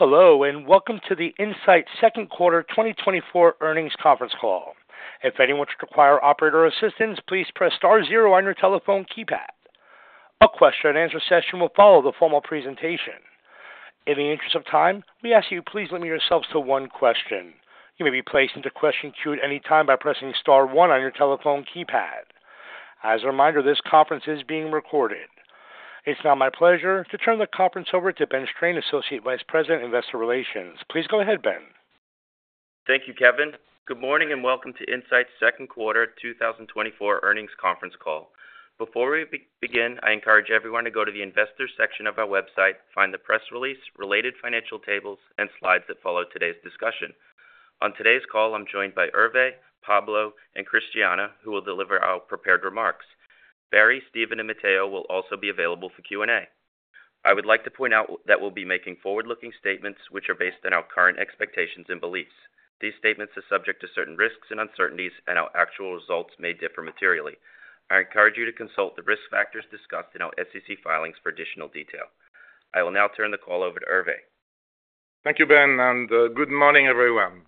Hello, and welcome to the Incyte second quarter 2024 earnings conference call. If anyone should require operator assistance, please press star zero on your telephone keypad. A question-and-answer session will follow the formal presentation. In the interest of time, we ask that you please limit yourselves to one question. You may be placed into question queue at any time by pressing star one on your telephone keypad. As a reminder, this conference is being recorded. It's now my pleasure to turn the conference over to Ben Strain, Associate Vice President, Investor Relations. Please go ahead, Ben. Thank you, Kevin. Good morning and welcome to Incyte second quarter 2024 earnings conference call. Before we begin, I encourage everyone to go to the investor section of our website, find the press release, related financial tables, and slides that follow today's discussion. On today's call, I'm joined by Hervé, Pablo, and Christiana, who will deliver our prepared remarks. Barry, Steven, and Barry will also be available for Q&A. I would like to point out that we'll be making forward-looking statements which are based on our current expectations and beliefs. These statements are subject to certain risks and uncertainties, and our actual results may differ materially. I encourage you to consult the risk factors discussed in our SEC filings for additional detail. I will now turn the call over to Hervé. Thank you, Ben, and good morning, everyone.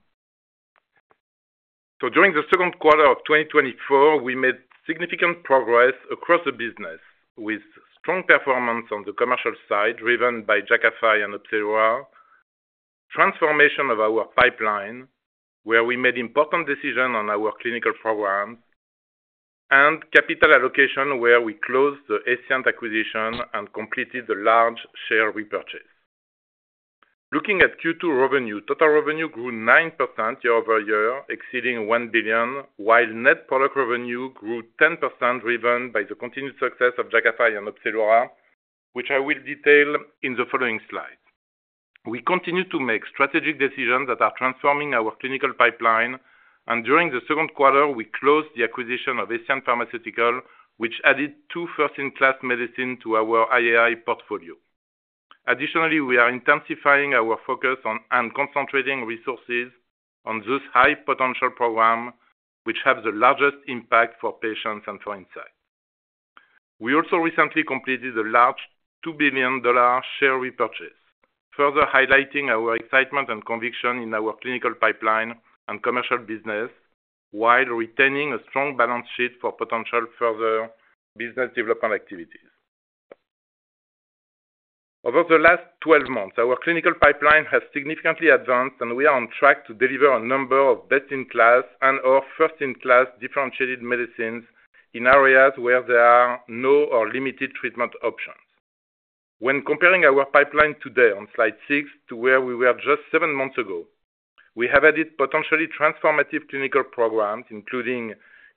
During the second quarter of 2024, we made significant progress across the business with strong performance on the commercial side driven by Jakafi and Opzelura, transformation of our pipeline where we made important decisions on our clinical programs, and capital allocation where we closed the Escient acquisition and completed the large share repurchase. Looking at Q2 revenue, total revenue grew 9% year-over-year, exceeding $1 billion, while net product revenue grew 10% driven by the continued success of Jakafi and Opzelura, which I will detail in the following slides. We continue to make strategic decisions that are transforming our clinical pipeline, and during the second quarter, we closed the acquisition of Escient Pharmaceuticals, which added two first-in-class medicines to our IAI portfolio. Additionally, we are intensifying our focus and concentrating resources on those high-potential programs which have the largest impact for patients and for Incyte. We also recently completed a large $2 billion share repurchase, further highlighting our excitement and conviction in our clinical pipeline and commercial business while retaining a strong balance sheet for potential further business development activities. Over the last 12 months, our clinical pipeline has significantly advanced, and we are on track to deliver a number of best-in-class and/or first-in-class differentiated medicines in areas where there are no or limited treatment options. When comparing our pipeline today on slide 6 to where we were just seven months ago, we have added potentially transformative clinical programs including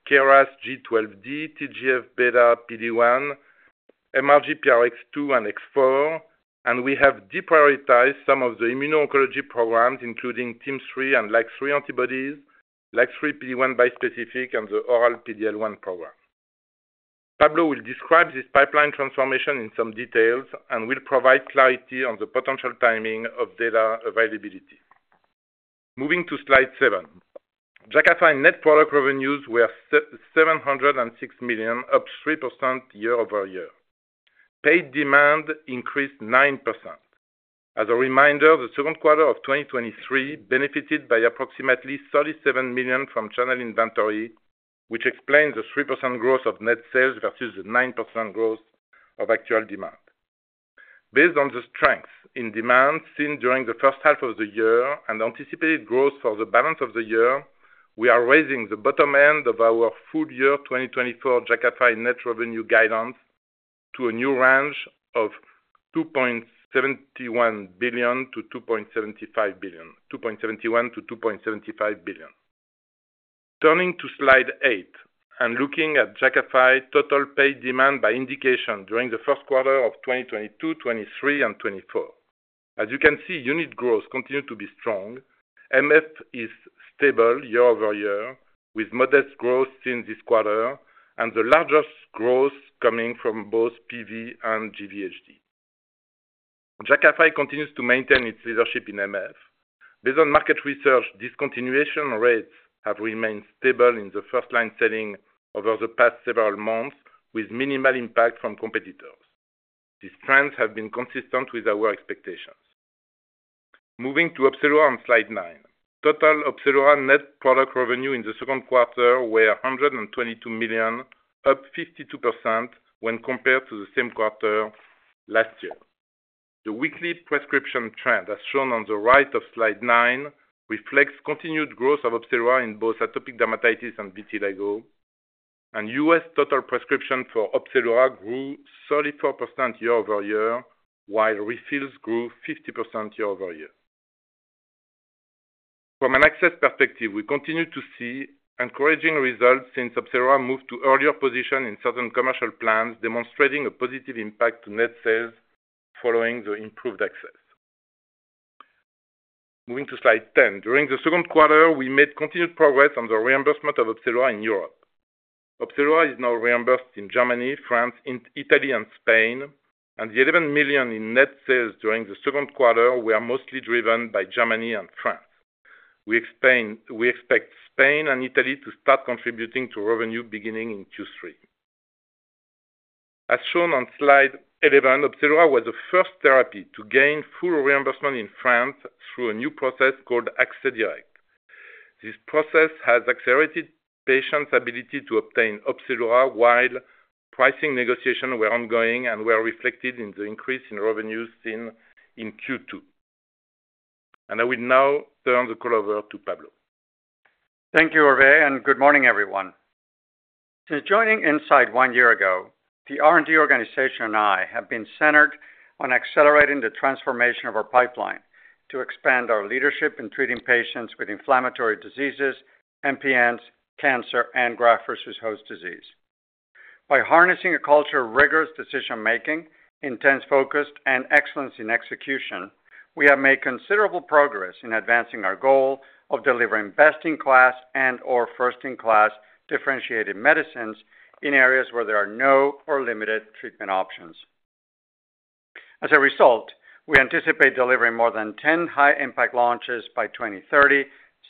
KRAS G12D, TGF-β, PD-1, mRGPRX2, and X4, and we have deprioritized some of the immuno-oncology programs including TIM-3 and LAG-3 antibodies, LAG-3 PD-1 bispecific, and the oral PD-L1 program. Pablo will describe this pipeline transformation in some details and will provide clarity on the potential timing of data availability. Moving to slide 7, Jakafi's net product revenues were $706 million, up 3% year-over-year. Paid demand increased 9%. As a reminder, the second quarter of 2023 benefited by approximately $37 million from channel inventory, which explains the 3% growth of net sales versus the 9% growth of actual demand. Based on the strength in demand seen during the first half of the year and anticipated growth for the balance of the year, we are raising the bottom end of our full year 2024 Jakafi net revenue guidance to a new range of $2.71 billion-$2.75 billion. Turning to slide 8 and looking at Jakafi total paid demand by indication during the first quarter of 2022, 23, and 24. As you can see, unit growth continued to be strong. MF is stable year-over-year, with modest growth seen this quarter, and the largest growth coming from both PV and GVHD. Jakafi continues to maintain its leadership in MF. Based on market research, discontinuation rates have remained stable in the first-line setting over the past several months, with minimal impact from competitors. These trends have been consistent with our expectations. Moving to Opzelura on slide 9, total Opzelura net product revenue in the second quarter was $122 million, up 52% when compared to the same quarter last year. The weekly prescription trend, as shown on the right of slide 9, reflects continued growth of Opzelura in both atopic dermatitis and vitiligo, and U.S. total prescriptions for Opzelura grew 34% year-over-year, while refills grew 50% year-over-year. From an access perspective, we continue to see encouraging results since Opzelura moved to earlier positions in certain commercial plans, demonstrating a positive impact on net sales following the improved access. Moving to slide 10, during the second quarter, we made continued progress on the reimbursement of Opzelura in Europe. Opzelura is now reimbursed in Germany, France, Italy, and Spain, and the $11 million in net sales during the second quarter were mostly driven by Germany and France. We expect Spain and Italy to start contributing to revenue beginning in Q3. As shown on slide 11, Opzelura was the first therapy to gain full reimbursement in France through a new process called Accès Direct. This process has accelerated patients' ability to obtain Opzelura while pricing negotiations were ongoing and were reflected in the increase in revenues seen in Q2. I will now turn the call over to Pablo. Thank you, Hervé, and good morning, everyone. Since joining Incyte one year ago, the R&D organization and I have been centered on accelerating the transformation of our pipeline to expand our leadership in treating patients with inflammatory diseases, MPNs, cancer, and graft-versus-host disease. By harnessing a culture of rigorous decision-making, intense focus, and excellence in execution, we have made considerable progress in advancing our goal of delivering best-in-class and/or first-in-class differentiated medicines in areas where there are no or limited treatment options. As a result, we anticipate delivering more than 10 high-impact launches by 2030,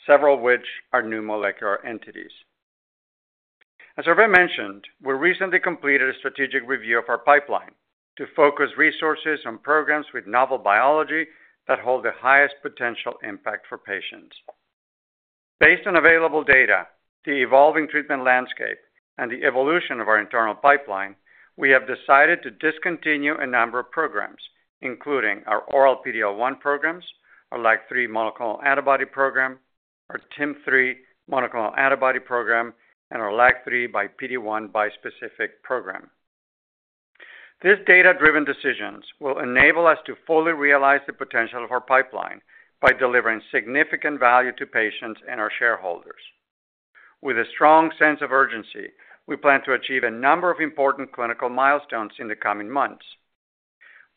several of which are new molecular entities. As Hervé mentioned, we recently completed a strategic review of our pipeline to focus resources on programs with novel biology that hold the highest potential impact for patients. Based on available data, the evolving treatment landscape, and the evolution of our internal pipeline, we have decided to discontinue a number of programs, including our oral PD-L1 programs, our LAG-3 monoclonal antibody program, our TIM-3 monoclonal antibody program, and our LAG-3 by PD-1 bispecific program. These data-driven decisions will enable us to fully realize the potential of our pipeline by delivering significant value to patients and our shareholders. With a strong sense of urgency, we plan to achieve a number of important clinical milestones in the coming months.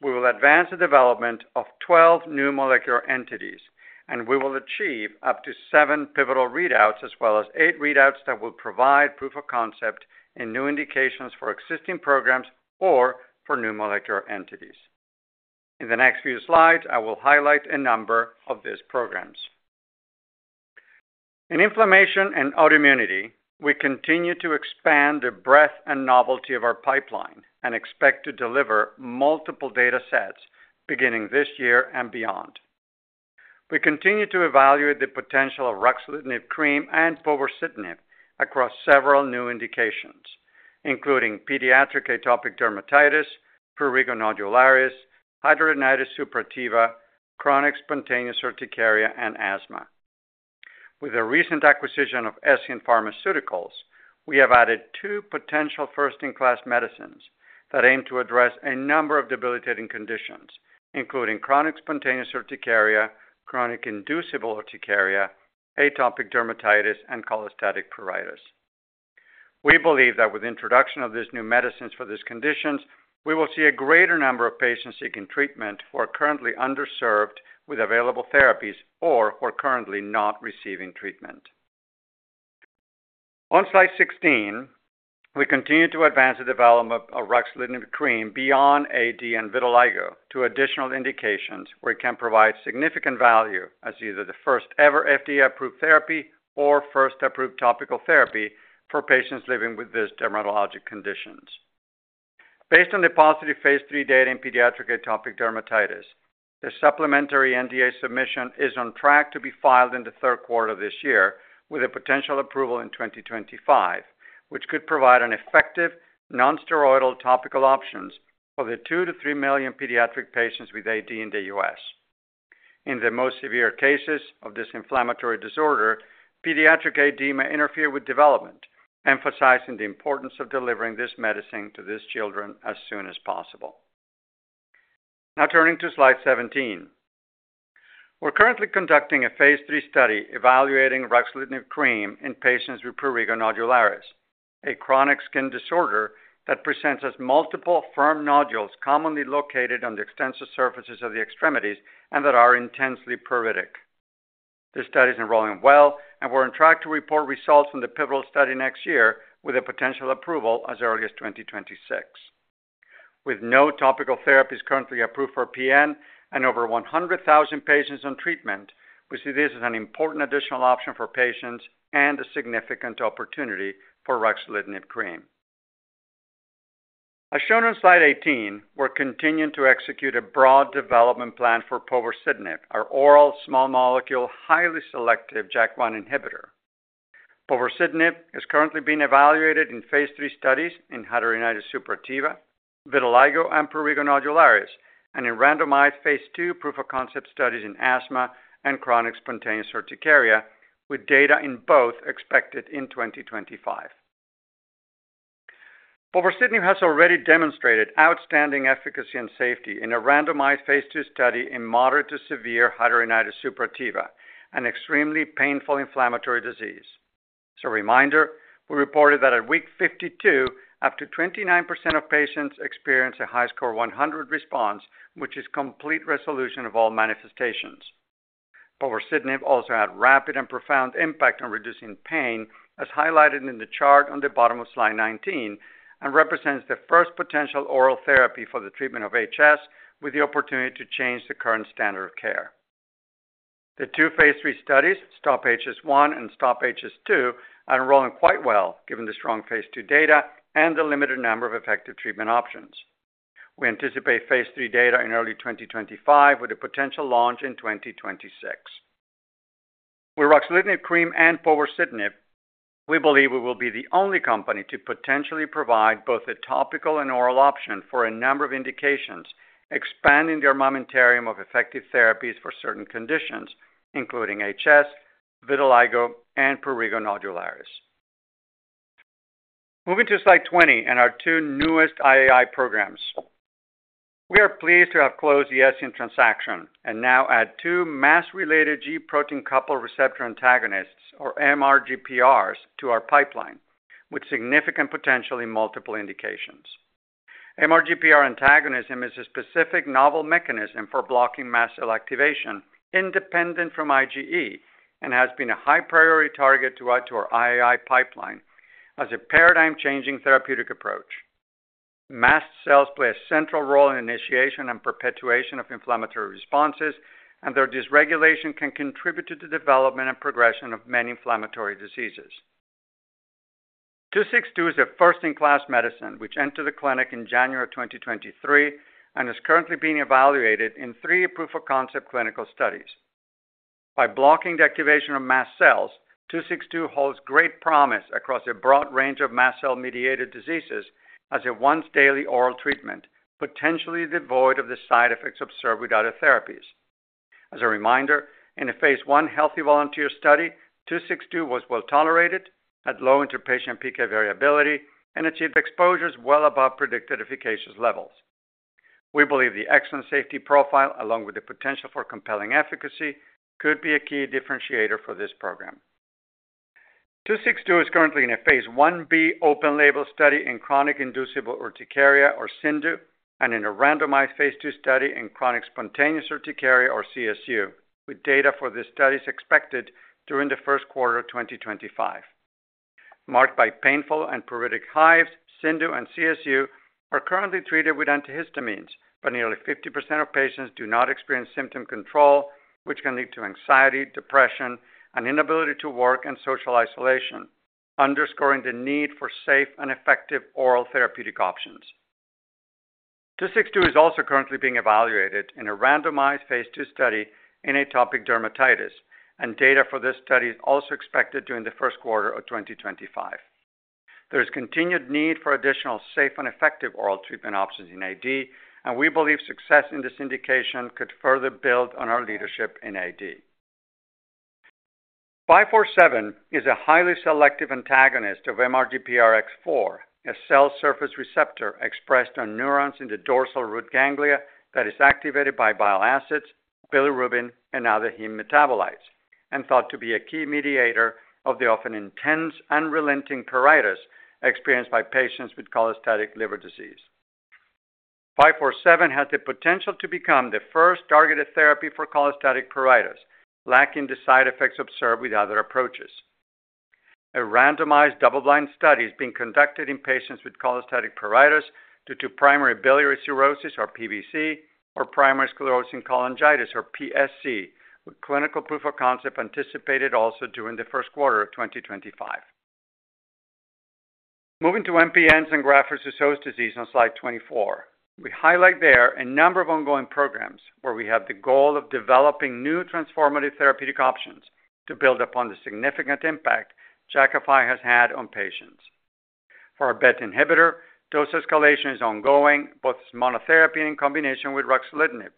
We will advance the development of 12 new molecular entities, and we will achieve up to seven pivotal readouts, as well as eight readouts that will provide proof of concept and new indications for existing programs or for new molecular entities. In the next few slides, I will highlight a number of these programs. In inflammation and autoimmunity, we continue to expand the breadth and novelty of our pipeline and expect to deliver multiple data sets beginning this year and beyond. We continue to evaluate the potential of ruxolitinib cream and povorcitinib across several new indications, including pediatric atopic dermatitis, prurigo nodularis, hidradenitis suppurativa, chronic spontaneous urticaria, and asthma. With a recent acquisition of Escient Pharmaceuticals, we have added two potential first-in-class medicines that aim to address a number of debilitating conditions, including chronic spontaneous urticaria, chronic inducible urticaria, atopic dermatitis, and cholestatic pruritus. We believe that with the introduction of these new medicines for these conditions, we will see a greater number of patients seeking treatment who are currently underserved with available therapies or who are currently not receiving treatment. On slide 16, we continue to advance the development of ruxolitinib cream beyond AD and vitiligo to additional indications where it can provide significant value as either the first-ever FDA-approved therapy or first-approved topical therapy for patients living with these dermatologic conditions. Based on the positive phase III data in pediatric atopic dermatitis, the supplementary NDA submission is on track to be filed in the third quarter of this year with a potential approval in 2025, which could provide effective nonsteroidal topical options for the 2-3 million pediatric patients with AD in the U.S. In the most severe cases of this inflammatory disorder, pediatric AD may interfere with development, emphasizing the importance of delivering this medicine to these children as soon as possible. Now turning to slide 17, we're currently conducting a phase III study evaluating ruxolitinib cream in patients with prurigo nodularis, a chronic skin disorder that presents as multiple firm nodules commonly located on the extensor surfaces of the extremities and that are intensely pruritic. This study is enrolling well, and we're on track to report results from the pivotal study next year with a potential approval as early as 2026. With no topical therapies currently approved for PN and over 100,000 patients on treatment, we see this as an important additional option for patients and a significant opportunity for ruxolitinib cream. As shown on slide 18, we're continuing to execute a broad development plan for povorcitinib, our oral small-molecule highly selective JAK1 inhibitor. Povorcitinib is currently being evaluated in phase III studies in Hidradenitis Suppurativa, vitiligo, and Prurigo Nodularis, and in randomized phase II proof of concept studies in asthma and Chronic Spontaneous Urticaria, with data in both expected in 2025. Povorcitinib has already demonstrated outstanding efficacy and safety in a randomized phase II study in moderate to severe Hidradenitis Suppurativa, an extremely painful inflammatory disease. As a reminder, we reported that at week 52, up to 29% of patients experienced a HiSCR100 response, which is complete resolution of all manifestations. Povorcitinib also had rapid and profound impact on reducing pain, as highlighted in the chart on the bottom of slide 19, and represents the first potential oral therapy for the treatment of HS with the opportunity to change the current standard of care. The two phase 3 studies, STOP-HS1 and STOP-HS2, are enrolling quite well given the strong phase II data and the limited number of effective treatment options. We anticipate phase III data in early 2025, with a potential launch in 2026. With ruxolitinib cream and povorcitinib, we believe we will be the only company to potentially provide both a topical and oral option for a number of indications, expanding the armamentarium of effective therapies for certain conditions, including HS, vitiligo, and prurigo nodularis. Moving to slide 20 and our 2 newest IAI programs. We are pleased to have closed the Escient transaction and now add 2 MAS-related G protein coupled receptor antagonists, or mRGPRs, to our pipeline, with significant potential in multiple indications. mRGPR antagonism is a specific novel mechanism for blocking mast cell activation independent from IgE and has been a high-priority target throughout our IAI pipeline as a paradigm-changing therapeutic approach. Mast cells play a central role in initiation and perpetuation of inflammatory responses, and their dysregulation can contribute to the development and progression of many inflammatory diseases. 262 is a first-in-class medicine which entered the clinic in January 2023 and is currently being evaluated in three proof of concept clinical studies. By blocking the activation of mast cells, 262 holds great promise across a broad range of mast cell-mediated diseases as a once-daily oral treatment, potentially devoid of the side effects observed with other therapies. As a reminder, in a phase I healthy volunteer study, 262 was well tolerated, had low interpatient peak variability, and achieved exposures well above predicted efficacious levels. We believe the excellent safety profile, along with the potential for compelling efficacy, could be a key differentiator for this program. 262 is currently in a phase Ib open-label study in chronic inducible urticaria, or CINDU, and in a randomized phase II study in chronic spontaneous urticaria, or CSU, with data for these studies expected during the first quarter of 2025. Marked by painful and pruritic hives, CINDU and CSU are currently treated with antihistamines, but nearly 50% of patients do not experience symptom control, which can lead to anxiety, depression, an inability to work, and social isolation, underscoring the need for safe and effective oral therapeutic options. 262 is also currently being evaluated in a randomized phase II study in atopic dermatitis, and data for this study is also expected during the first quarter of 2025. There is continued need for additional safe and effective oral treatment options in AD, and we believe success in this indication could further build on our leadership in AD. 547 is a highly selective antagonist of mRGPRX4, a cell surface receptor expressed on neurons in the dorsal root ganglia that is activated by bile acids, bilirubin, and other heme metabolites, and thought to be a key mediator of the often intense and relenting pruritus experienced by patients with cholestatic liver disease. 547 has the potential to become the first targeted therapy for cholestatic pruritus, lacking the side effects observed with other approaches. A randomized double-blind study is being conducted in patients with cholestatic pruritus due to primary biliary cirrhosis, or PBC, or primary sclerosing cholangitis, or PSC, with clinical proof of concept anticipated also during the first quarter of 2025. Moving to MPNs and graft-versus-host disease on slide 24, we highlight there a number of ongoing programs where we have the goal of developing new transformative therapeutic options to build upon the significant impact Jakafi has had on patients. For our BET inhibitor, dose escalation is ongoing, both monotherapy and in combination with ruxolitinib,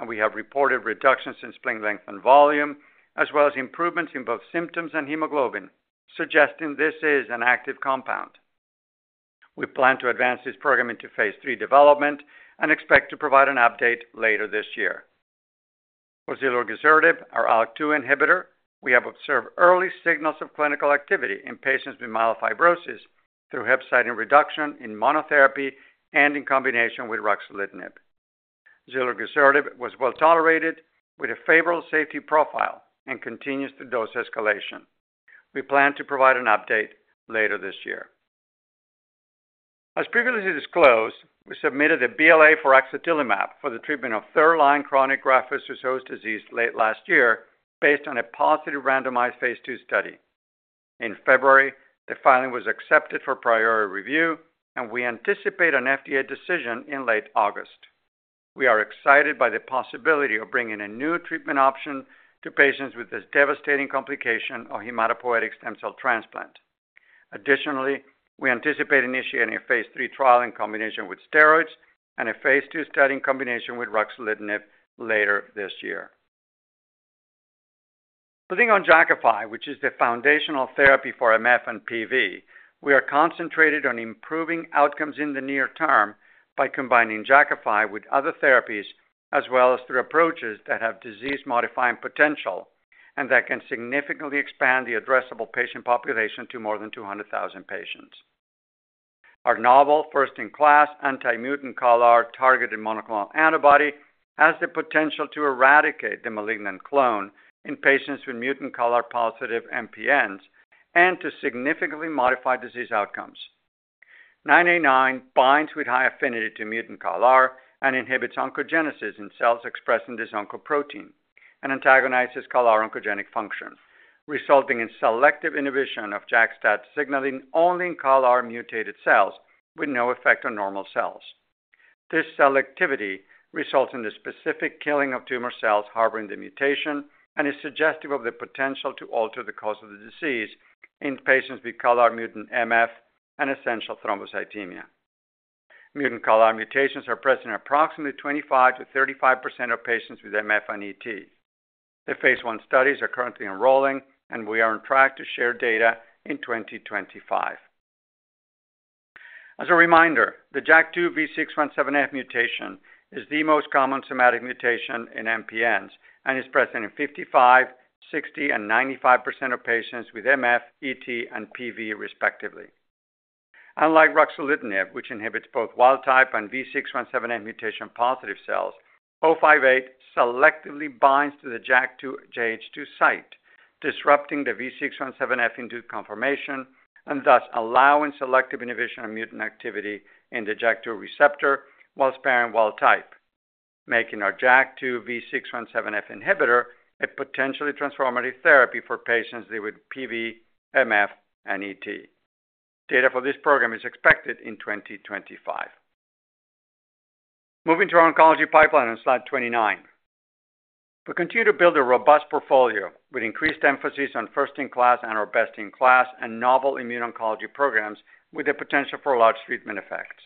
and we have reported reductions in spleen length and volume, as well as improvements in both symptoms and hemoglobin, suggesting this is an active compound. We plan to advance this program into phase III development and expect to provide an update later this year. For zilergisertib, our ALK2 inhibitor, we have observed early signals of clinical activity in patients with myelofibrosis through hepcidin reduction in monotherapy and in combination with ruxolitinib. Zilergisertib was well tolerated with a favorable safety profile and continues the dose escalation. We plan to provide an update later this year. As previously disclosed, we submitted a BLA for axatilimab for the treatment of third-line chronic graft-versus-host disease late last year based on a positive randomized phase II study. In February, the filing was accepted for priority review, and we anticipate an FDA decision in late August. We are excited by the possibility of bringing a new treatment option to patients with this devastating complication of hematopoietic stem cell transplant. Additionally, we anticipate initiating a phase III trial in combination with steroids and a phase II study in combination with ruxolitinib later this year. Building on Jakafi, which is the foundational therapy for MF and PV, we are concentrated on improving outcomes in the near term by combining Jakafi with other therapies, as well as through approaches that have disease-modifying potential and that can significantly expand the addressable patient population to more than 200,000 patients. Our novel first-in-class anti-mutant CALR-targeted monoclonal antibody has the potential to eradicate the malignant clone in patients with mutant CALR-positive MPNs and to significantly modify disease outcomes. 989 binds with high affinity to mutant CALR and inhibits oncogenesis in cells expressing this oncoprotein and antagonizes CALR oncogenic function, resulting in selective inhibition of JAK-STAT signaling only in CALR-mutated cells with no effect on normal cells. This selectivity results in the specific killing of tumor cells harboring the mutation and is suggestive of the potential to alter the course of the disease in patients with CALR-mutant MF and essential thrombocythemia. Mutant CALR mutations are present in approximately 25%-35% of patients with MF and ET. The phase I studies are currently enrolling, and we are on track to share data in 2025. As a reminder, the JAK2 V617F mutation is the most common somatic mutation in MPNs and is present in 55%, 60%, and 95% of patients with MF, ET, and PV, respectively. Unlike ruxolitinib, which inhibits both wild-type and V617F mutation-positive cells, 058 selectively binds to the JAK2 JH2 site, disrupting the V617F induced conformation and thus allowing selective inhibition of mutant activity in the JAK2 receptor while sparing wild-type, making our JAK2 V617F inhibitor a potentially transformative therapy for patients living with PV, MF, and ET. Data for this program is expected in 2025. Moving to our oncology pipeline on slide 29, we continue to build a robust portfolio with increased emphasis on first-in-class and/or best-in-class and novel immune oncology programs with the potential for large treatment effects.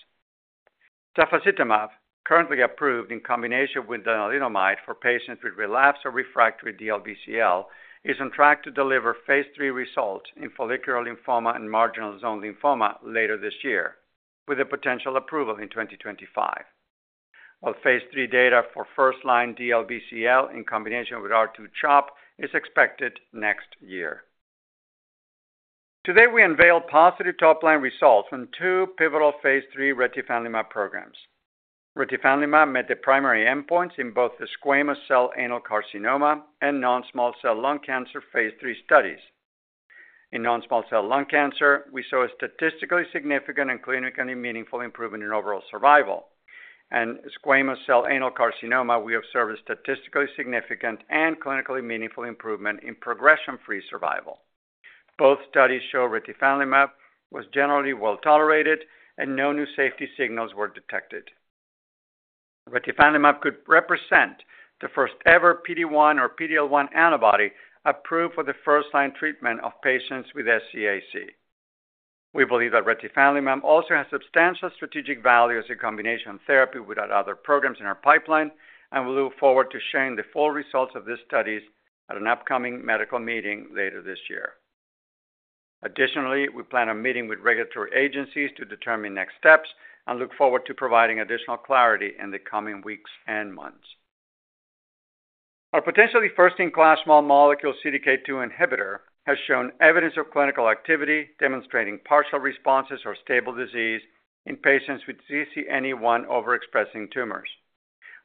Tafasitamab, currently approved in combination with lenalidomide for patients with relapse or refractory DLBCL, is on track to deliver phase III results in follicular lymphoma and marginal zone lymphoma later this year, with a potential approval in 2025, while phase III data for first-line DLBCL in combination with R2 CHOP is expected next year. Today, we unveil positive top-line results from two pivotal phase III Retifanlimab programs. Retifanlimab met the primary endpoints in both the squamous cell anal carcinoma and non-small cell lung cancer phase III studies. In non-small cell lung cancer, we saw a statistically significant and clinically meaningful improvement in overall survival, and in squamous cell anal carcinoma, we observed a statistically significant and clinically meaningful improvement in progression-free survival. Both studies showed Retifanlimab was generally well tolerated, and no new safety signals were detected. Retifanlimab could represent the first-ever PD-1 or PD-L1 antibody approved for the first-line treatment of patients with SCAC. We believe that Retifanlimab also has substantial strategic value as a combination therapy with other programs in our pipeline, and we look forward to sharing the full results of these studies at an upcoming medical meeting later this year. Additionally, we plan a meeting with regulatory agencies to determine next steps and look forward to providing additional clarity in the coming weeks and months. Our potentially first-in-class small molecule CDK2 inhibitor has shown evidence of clinical activity demonstrating partial responses or stable disease in patients with CCNE1 overexpressing tumors.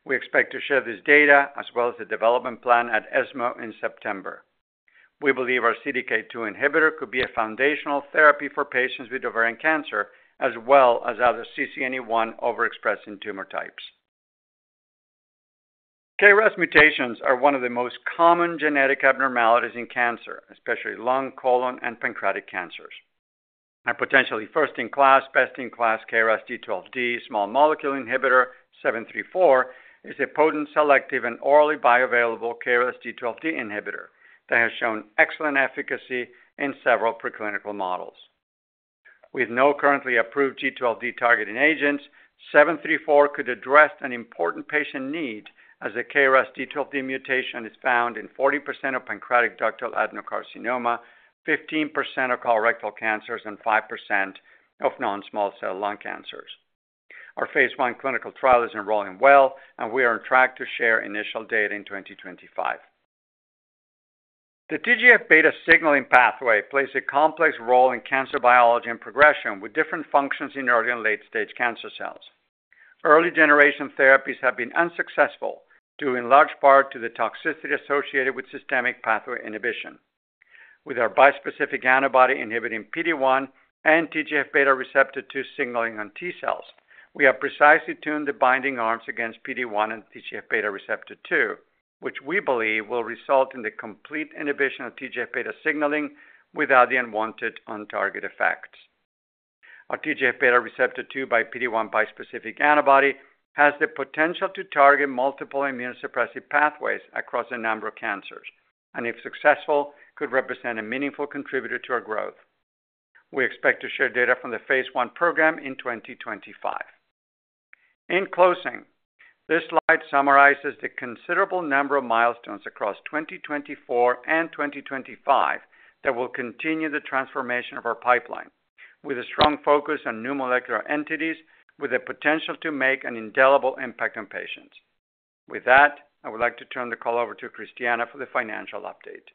We expect to share this data as well as the development plan at ESMO in September. We believe our CDK2 inhibitor could be a foundational therapy for patients with ovarian cancer, as well as other CCNE1 overexpressing tumor types. KRAS mutations are one of the most common genetic abnormalities in cancer, especially lung, colon, and pancreatic cancers. Our potentially first-in-class, best-in-class KRAS G12D small molecule inhibitor, 734, is a potent, selective, and orally bioavailable KRAS G12D inhibitor that has shown excellent efficacy in several preclinical models. With no currently approved G12D targeting agents, 734 could address an important patient need as the KRAS G12D mutation is found in 40% of pancreatic ductal adenocarcinoma, 15% of colorectal cancers, and 5% of non-small cell lung cancers. Our phase I clinical trial is enrolling well, and we are on track to share initial data in 2025. The TGF-β signaling pathway plays a complex role in cancer biology and progression with different functions in early and late-stage cancer cells. Early-generation therapies have been unsuccessful due in large part to the toxicity associated with systemic pathway inhibition. With our bispecific antibody inhibiting PD-1 and TGF-β receptor 2 signaling on T cells, we have precisely tuned the binding arms against PD-1 and TGF-β receptor 2, which we believe will result in the complete inhibition of TGF-β signaling without the unwanted untargeted effects. Our TGF-β receptor 2 by PD-1 bispecific antibody has the potential to target multiple immunosuppressive pathways across a number of cancers, and if successful, could represent a meaningful contributor to our growth. We expect to share data from the phase I program in 2025. In closing, this slide summarizes the considerable number of milestones across 2024 and 2025 that will continue the transformation of our pipeline, with a strong focus on new molecular entities with the potential to make an indelible impact on patients. With that, I would like to turn the call over to Christiana for the financial update.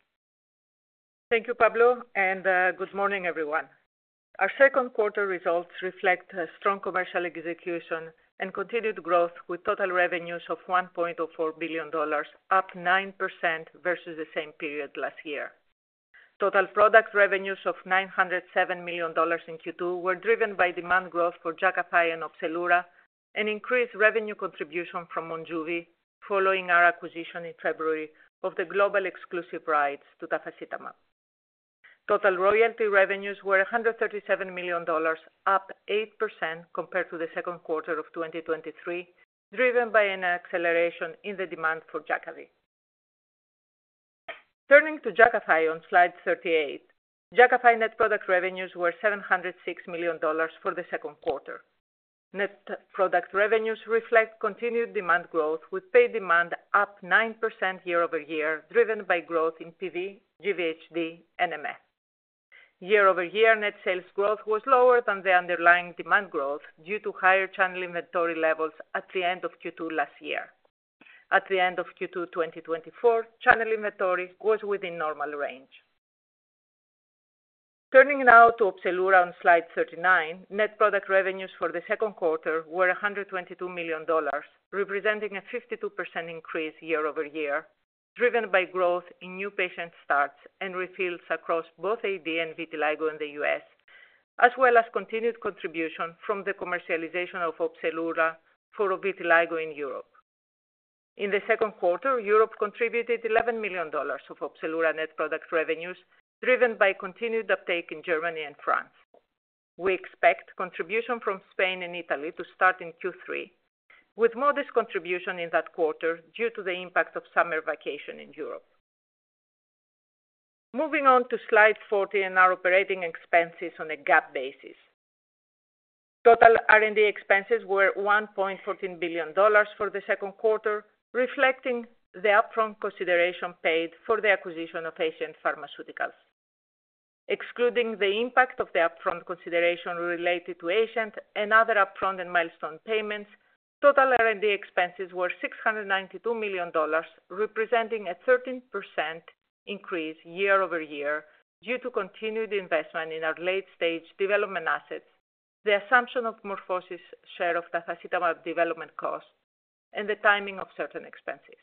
Thank you, Pablo, and good morning, everyone. Our second quarter results reflect strong commercial execution and continued growth, with total revenues of $1.04 billion, up 9% versus the same period last year. Total product revenues of $907 million in Q2 were driven by demand growth for Jakafi and Opzelura, and increased revenue contribution from Monjuvi following our acquisition in February of the global exclusive rights to tafasitamab. Total royalty revenues were $137 million, up 8% compared to the second quarter of 2023, driven by an acceleration in the demand for Jakafi. Turning to Jakafi on slide 38, Jakafi net product revenues were $706 million for the second quarter. Net product revenues reflect continued demand growth, with paid demand up 9% year-over-year, driven by growth in PV, GVHD, and MF. Year-over-year, net sales growth was lower than the underlying demand growth due to higher channel inventory levels at the end of Q2 last year. At the end of Q2 2024, channel inventory was within normal range. Turning now to Opzelura on slide 39, net product revenues for the second quarter were $122 million, representing a 52% increase year-over-year, driven by growth in new patient starts and refills across both AD and vitiligo in the U.S., as well as continued contribution from the commercialization of Opzelura for vitiligo in Europe. In the second quarter, Europe contributed $11 million of Opzelura net product revenues, driven by continued uptake in Germany and France. We expect contribution from Spain and Italy to start in Q3, with modest contribution in that quarter due to the impact of summer vacation in Europe. Moving on to slide 40 and our operating expenses on a GAAP basis. Total R&D expenses were $1.14 billion for the second quarter, reflecting the upfront consideration paid for the acquisition of Escient Pharmaceuticals. Excluding the impact of the upfront consideration related to Escient and other upfront and milestone payments, total R&D expenses were $692 million, representing a 13% increase year-over-year due to continued investment in our late-stage development assets, the assumption of MorphoSys' share of tafasitamab development costs, and the timing of certain expenses.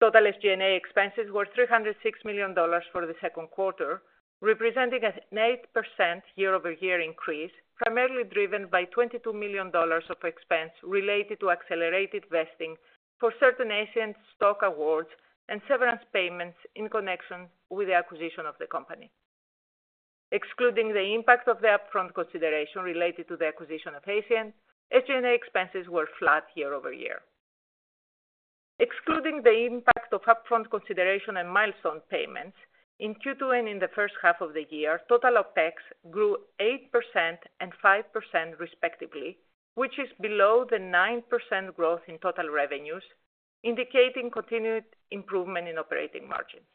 Total SG&A expenses were $306 million for the second quarter, representing an 8% year-over-year increase, primarily driven by $22 million of expense related to accelerated vesting for certain Escient stock awards and severance payments in connection with the acquisition of the company. Excluding the impact of the upfront consideration related to the acquisition of Escient, SG&A expenses were flat year over year. Excluding the impact of upfront consideration and milestone payments, in Q2 and in the first half of the year, total OPEX grew 8% and 5% respectively, which is below the 9% growth in total revenues, indicating continued improvement in operating margins.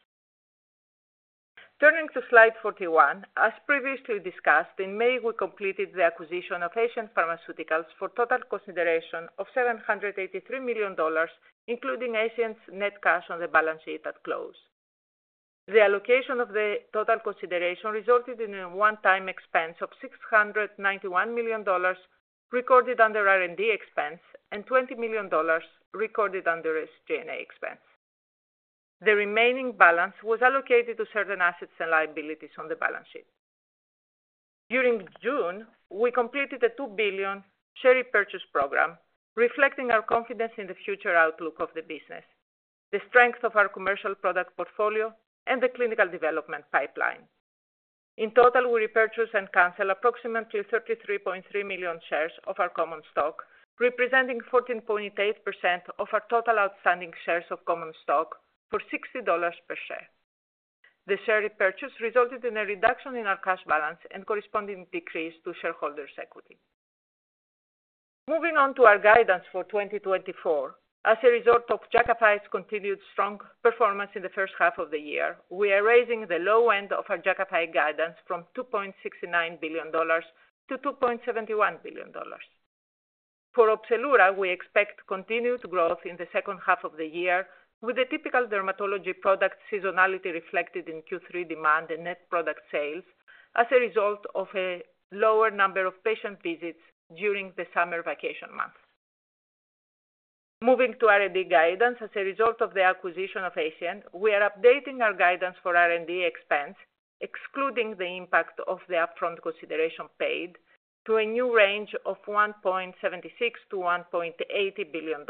Turning to slide 41, as previously discussed, in May, we completed the acquisition of Escient Pharmaceuticals for total consideration of $783 million, including Escient's net cash on the balance sheet at close. The allocation of the total consideration resulted in a one-time expense of $691 million recorded under R&D expense and $20 million recorded under SG&A expense. The remaining balance was allocated to certain assets and liabilities on the balance sheet. During June, we completed a $2 billion share repurchase program, reflecting our confidence in the future outlook of the business, the strength of our commercial product portfolio, and the clinical development pipeline. In total, we repurchased and canceled approximately 33.3 million shares of our common stock, representing 14.8% of our total outstanding shares of common stock for $60 per share. The share repurchase resulted in a reduction in our cash balance and corresponding decrease to shareholders' equity. Moving on to our guidance for 2024, as a result of Jakafi's continued strong performance in the first half of the year, we are raising the low end of our Jakafi guidance from $2.69 billion to $2.71 billion. For Opzelura, we expect continued growth in the second half of the year, with the typical dermatology product seasonality reflected in Q3 demand and net product sales as a result of a lower number of patient visits during the summer vacation months. Moving to R&D guidance, as a result of the acquisition of Escient, we are updating our guidance for R&D expense, excluding the impact of the upfront consideration paid, to a new range of $1.76-$1.80 billion.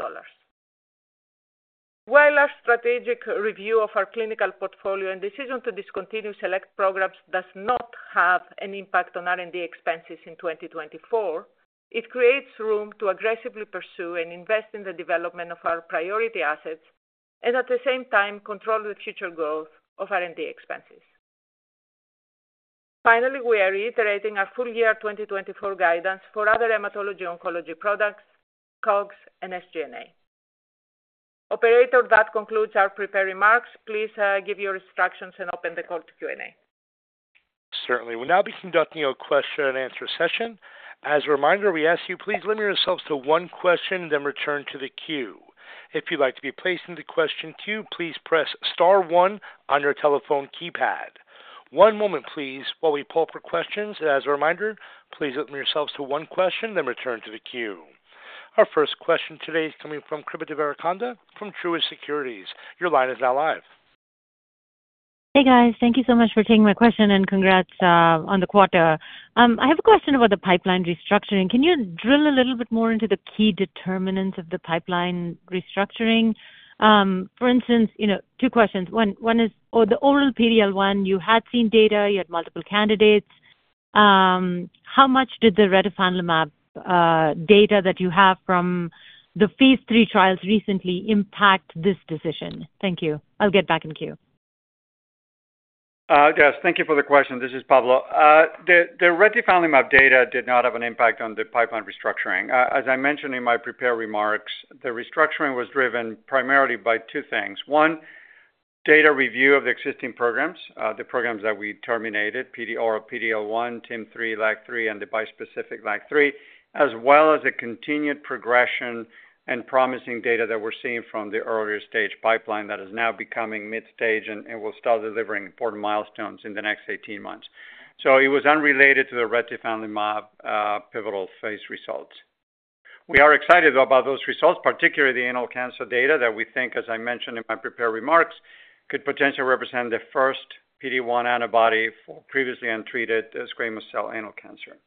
While our strategic review of our clinical portfolio and decision to discontinue select programs does not have an impact on R&D expenses in 2024, it creates room to aggressively pursue and invest in the development of our priority assets and, at the same time, control the future growth of R&D expenses. Finally, we are reiterating our full-year 2024 guidance for other hematology-oncology products, COGS, and SG&A. Operator, that concludes our prepared remarks. Please give your instructions and open the call to Q&A. Certainly. We'll now be conducting a question-and-answer session. As a reminder, we ask you, please limit yourselves to one question and then return to the queue. If you'd like to be placed in the question queue, please press star one on your telephone keypad. One moment, please, while we pull up our questions. As a reminder, please limit yourselves to one question and then return to the queue. Our first question today is coming from Srikripa Devarakonda from Truist Securities. Your line is now live. Hey, guys. Thank you so much for taking my question and congrats on the quarter. I have a question about the pipeline restructuring. Can you drill a little bit more into the key determinants of the pipeline restructuring? For instance, two questions. One is, for the oral PD-L1, you had seen data, you had multiple candidates. How much did the Retifanlimab data that you have from the phase III trials recently impact this decision? Thank you. I'll get back in queue. Yes. Thank you for the question. This is Pablo. The Retifanlimab data did not have an impact on the pipeline restructuring. As I mentioned in my prep remarks, the restructuring was driven primarily by two things. One, data review of the existing programs, the programs that we terminated, or PD-L1, TIM-3, LAG-3, and the bispecific LAG-3, as well as the continued progression and promising data that we're seeing from the earlier stage pipeline that is now becoming mid-stage and will start delivering important milestones in the next 18 months. So it was unrelated to the Retifanlimab pivotal phase results. We are excited about those results, particularly the anal cancer data that we think, as I mentioned in my prep remarks, could potentially represent the first PD-1 antibody for previously untreated squamous cell anal cancer.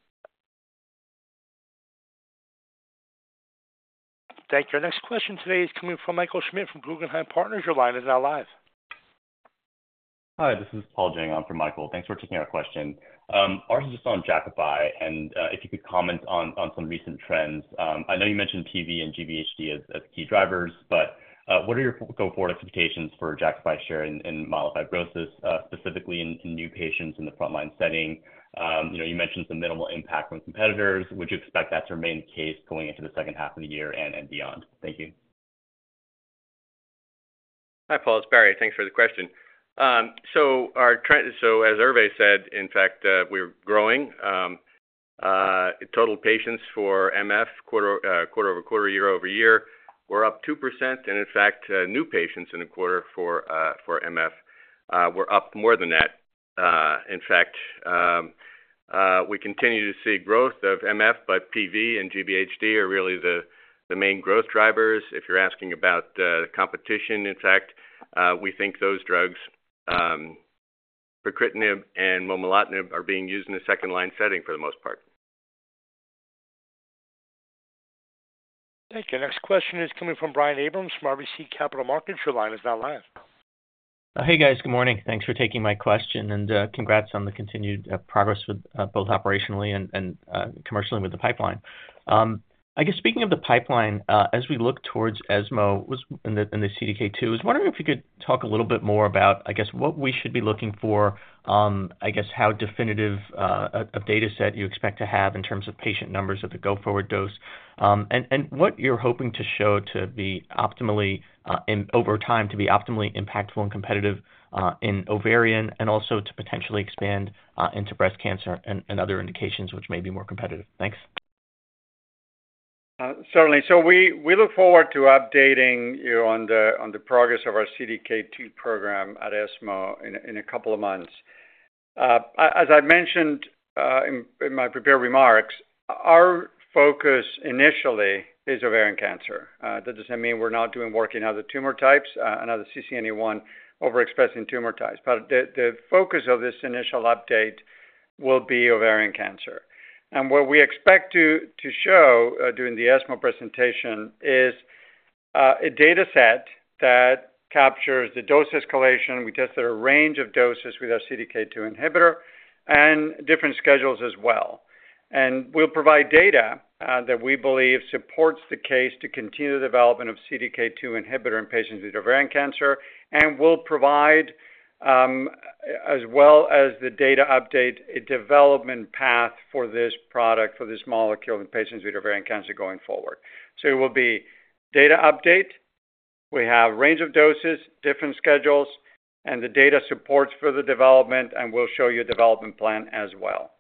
Thank you. Our next question today is coming from Michael Schmidt from Guggenheim Partners. Your line is now live. Hi. This is Paul Jeng from Michael. Thanks for taking our question. Ours is just on Jakafi. If you could comment on some recent trends. I know you mentioned PV and GVHD as key drivers, but what are your go forward expectations for Jakafi share in myelofibrosis, specifically in new patients in the frontline setting? You mentioned some minimal impact from competitors. Would you expect that to remain the case going into the second half of the year and beyond? Thank you. Hi, Paul. It's Barry. Thanks for the question. So as Hervé said, in fact, we're growing. Total patients for MF, quarter-over-quarter, year-over-year, were up 2%. And in fact, new patients in the quarter for MF were up more than that. In fact, we continue to see growth of MF, but PV and GVHD are really the main growth drivers. If you're asking about competition, in fact, we think those drugs, pacritinib and momelotinib, are being used in the second-line setting for the most part. Thank you. Our next question is coming from Brian Abrahams from RBC Capital Markets. Your line is now live. Hey, guys. Good morning. Thanks for taking my question. Congrats on the continued progress both operationally and commercially with the pipeline. I guess speaking of the pipeline, as we look towards ESMO and the CDK2, I was wondering if you could talk a little bit more about, I guess, what we should be looking for, I guess, how definitive a data set you expect to have in terms of patient numbers at the go forward dose, and what you're hoping to show to be optimally over time to be optimally impactful and competitive in ovarian and also to potentially expand into breast cancer and other indications which may be more competitive. Thanks. Certainly. So we look forward to updating you on the progress of our CDK2 program at ESMO in a couple of months. As I mentioned in my prep remarks, our focus initially is ovarian cancer. That doesn't mean we're not doing work in other tumor types and other CCNE1 overexpressing tumor types. But the focus of this initial update will be ovarian cancer. And what we expect to show during the ESMO presentation is a data set that captures the dose escalation. We tested a range of doses with our CDK2 inhibitor and different schedules as well. And we'll provide data that we believe supports the case to continue the development of CDK2 inhibitor in patients with ovarian cancer and will provide, as well as the data update, a development path for this product, for this molecule in patients with ovarian cancer going forward. So it will be data update. We have a range of doses, different schedules, and the data supports for the development. And we'll show you a development plan as well.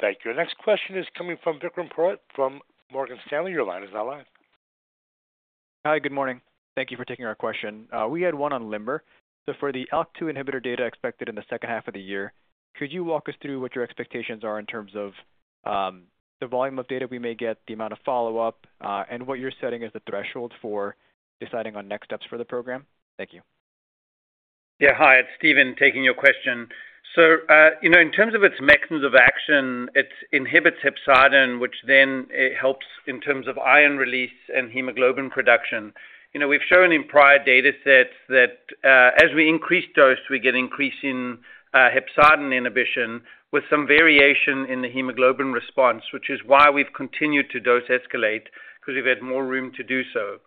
Thank you. Our next question is coming from Vikram Purohit from Morgan Stanley. Your line is now live. Hi. Good morning. Thank you for taking our question. We had one on LIMBER. So for the CDK2 inhibitor data expected in the second half of the year, could you walk us through what your expectations are in terms of the volume of data we may get, the amount of follow-up, and what you're setting as the threshold for deciding on next steps for the program? Thank you. Yeah. Hi. It's Steven taking your question. So in terms of its mechanism of action, it inhibits hepcidin, which then helps in terms of iron release and hemoglobin production. We've shown in prior data sets that as we increase dose, we get an increase in hepcidin inhibition with some variation in the hemoglobin response, which is why we've continued to dose escalate because we've had more room to do so.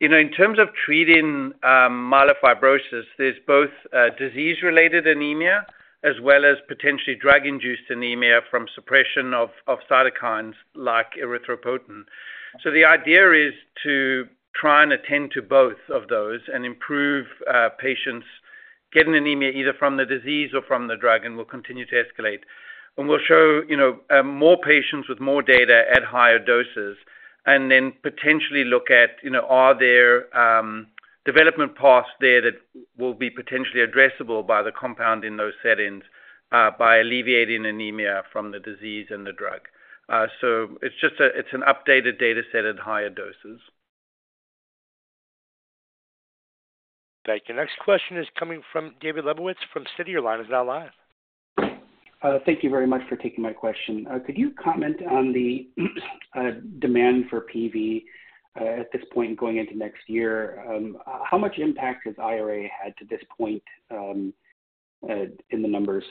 In terms of treating myelofibrosis, there's both disease-related anemia as well as potentially drug-induced anemia from suppression of cytokines like erythropoietin. So the idea is to try and attend to both of those and improve patients' getting anemia either from the disease or from the drug, and we'll continue to escalate. We'll show more patients with more data at higher doses and then potentially look at are there development paths there that will be potentially addressable by the compound in those settings by alleviating anemia from the disease and the drug. So it's an updated data set at higher doses. Thank you. Our next question is coming from David Lebowitz from Citi. Your line is now live. Thank you very much for taking my question. Could you comment on the demand for PV at this point going into next year? How much impact has IRA had to this point in the numbers?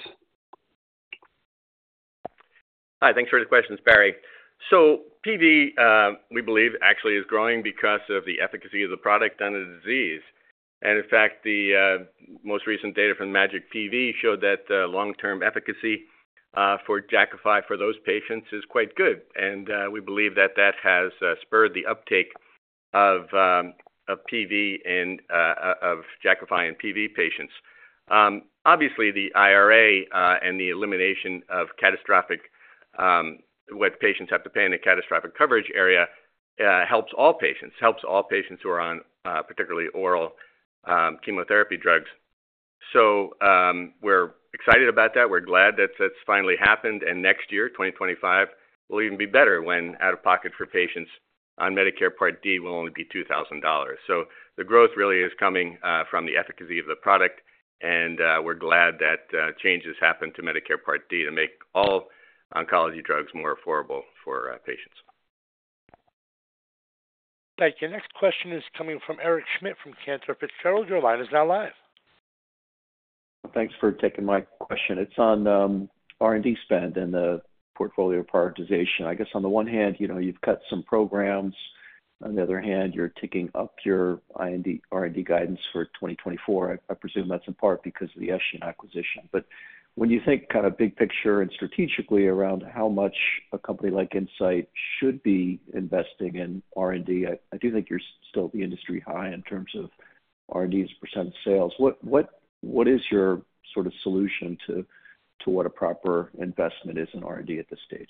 Hi. Thanks for the questions, Barry. So PV, we believe, actually is growing because of the efficacy of the product and the disease. And in fact, the most recent data from MAJIC-PV showed that long-term efficacy for Jakafi for those patients is quite good. And we believe that that has spurred the uptake of Jakafi and PV patients. Obviously, the IRA and the elimination of what patients have to pay in the catastrophic coverage area helps all patients, helps all patients who are on particularly oral chemotherapy drugs. So we're excited about that. We're glad that that's finally happened. And next year, 2025, will even be better when out-of-pocket for patients on Medicare Part D will only be $2,000. So the growth really is coming from the efficacy of the product. And we're glad that changes happen to Medicare Part D to make all oncology drugs more affordable for patients. Thank you. Our next question is coming from Eric Schmidt from Cantor Fitzgerald. Your line is now live. Thanks for taking my question. It's on R&D spend and the portfolio prioritization. I guess on the one hand, you've cut some programs. On the other hand, you're ticking up your R&D guidance for 2024. I presume that's in part because of the Escient acquisition. But when you think kind of big picture and strategically around how much a company like Incyte should be investing in R&D, I do think you're still the industry high in terms of R&D's percent sales. What is your sort of solution to what a proper investment is in R&D at this stage?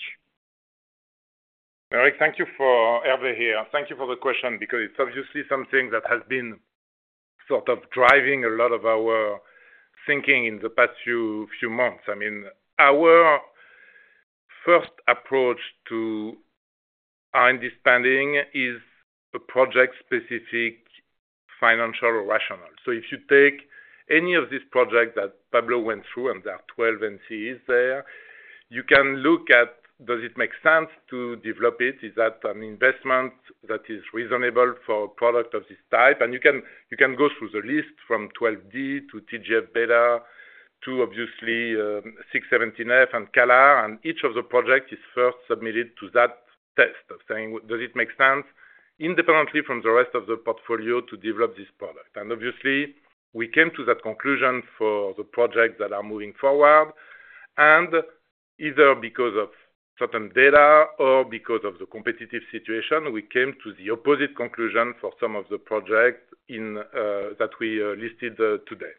Eric, thank you. Hervé here. Thank you for the question because it's obviously something that has been sort of driving a lot of our thinking in the past few months. I mean, our first approach to R&D spending is a project-specific financial rationale. So if you take any of these projects that Pablo went through and there are 12 NCEs there, you can look at, does it make sense to develop it? Is that an investment that is reasonable for a product of this type? And you can go through the list from 12D to TGF-TGF-β to obviously V617F and CALR. And each of the projects is first submitted to that test of saying, does it make sense independently from the rest of the portfolio to develop this product? And obviously, we came to that conclusion for the projects that are moving forward. And either because of certain data or because of the competitive situation, we came to the opposite conclusion for some of the projects that we listed today.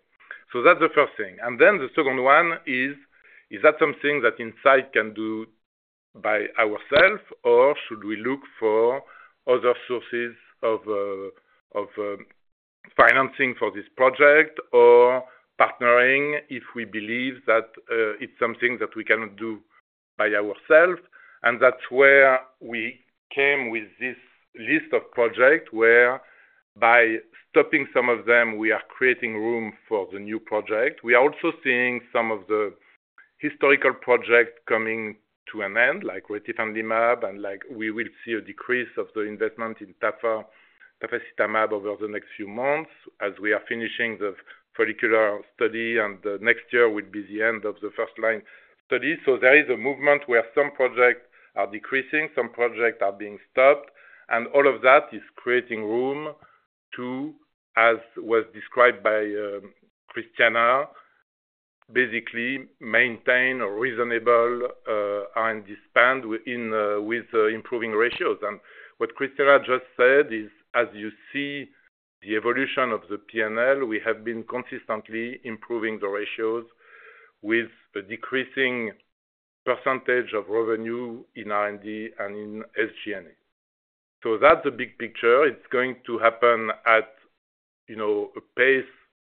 So that's the first thing. Then the second one is, is that something that Incyte can do by ourselves, or should we look for other sources of financing for this project or partnering if we believe that it's something that we cannot do by ourselves? That's where we came with this list of projects where by stopping some of them, we are creating room for the new project. We are also seeing some of the historical projects coming to an end, like Retifanlimab, and we will see a decrease of the investment in tafasitamab over the next few months as we are finishing the follicular study. Next year will be the end of the first-line study. There is a movement where some projects are decreasing, some projects are being stopped. All of that is creating room to, as was described by Christiana, basically maintain a reasonable R&D spend with improving ratios. What Christiana just said is, as you see the evolution of the P&L, we have been consistently improving the ratios with a decreasing percentage of revenue in R&D and in SG&E. That's the big picture. It's going to happen at a pace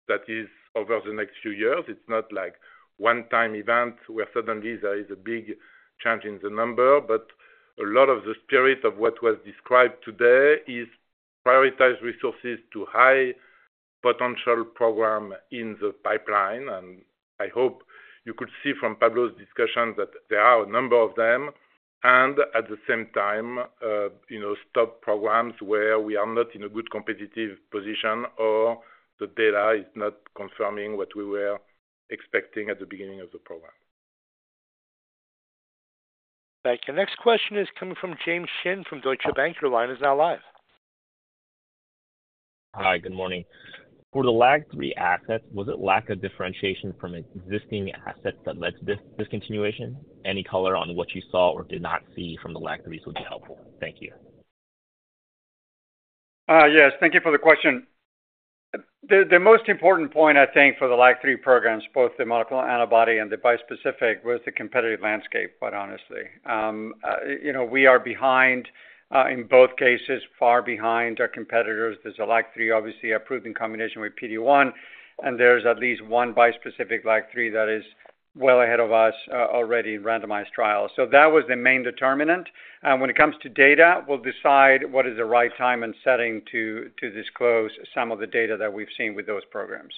that is over the next few years. It's not like a one-time event where suddenly there is a big change in the number. A lot of the spirit of what was described today is prioritize resources to high-potential program in the pipeline. I hope you could see from Pablo's discussion that there are a number of them. And at the same time, stop programs where we are not in a good competitive position or the data is not confirming what we were expecting at the beginning of the program. Thank you. Our next question is coming from James Shin from Deutsche Bank. Your line is now live. Hi. Good morning. For the LAG-3 assets, was it lack of differentiation from existing assets that led to this discontinuation? Any color on what you saw or did not see from the LAG-3 would be helpful. Thank you. Yes. Thank you for the question. The most important point, I think, for the LAG-3 programs, both the monoclonal antibody and the bispecific, was the competitive landscape, quite honestly. We are behind in both cases, far behind our competitors. There's a LAG-3, obviously, approved in combination with PD-1. There's at least one bispecific LAG-3 that is well ahead of us already in randomized trials. That was the main determinant. When it comes to data, we'll decide what is the right time and setting to disclose some of the data that we've seen with those programs.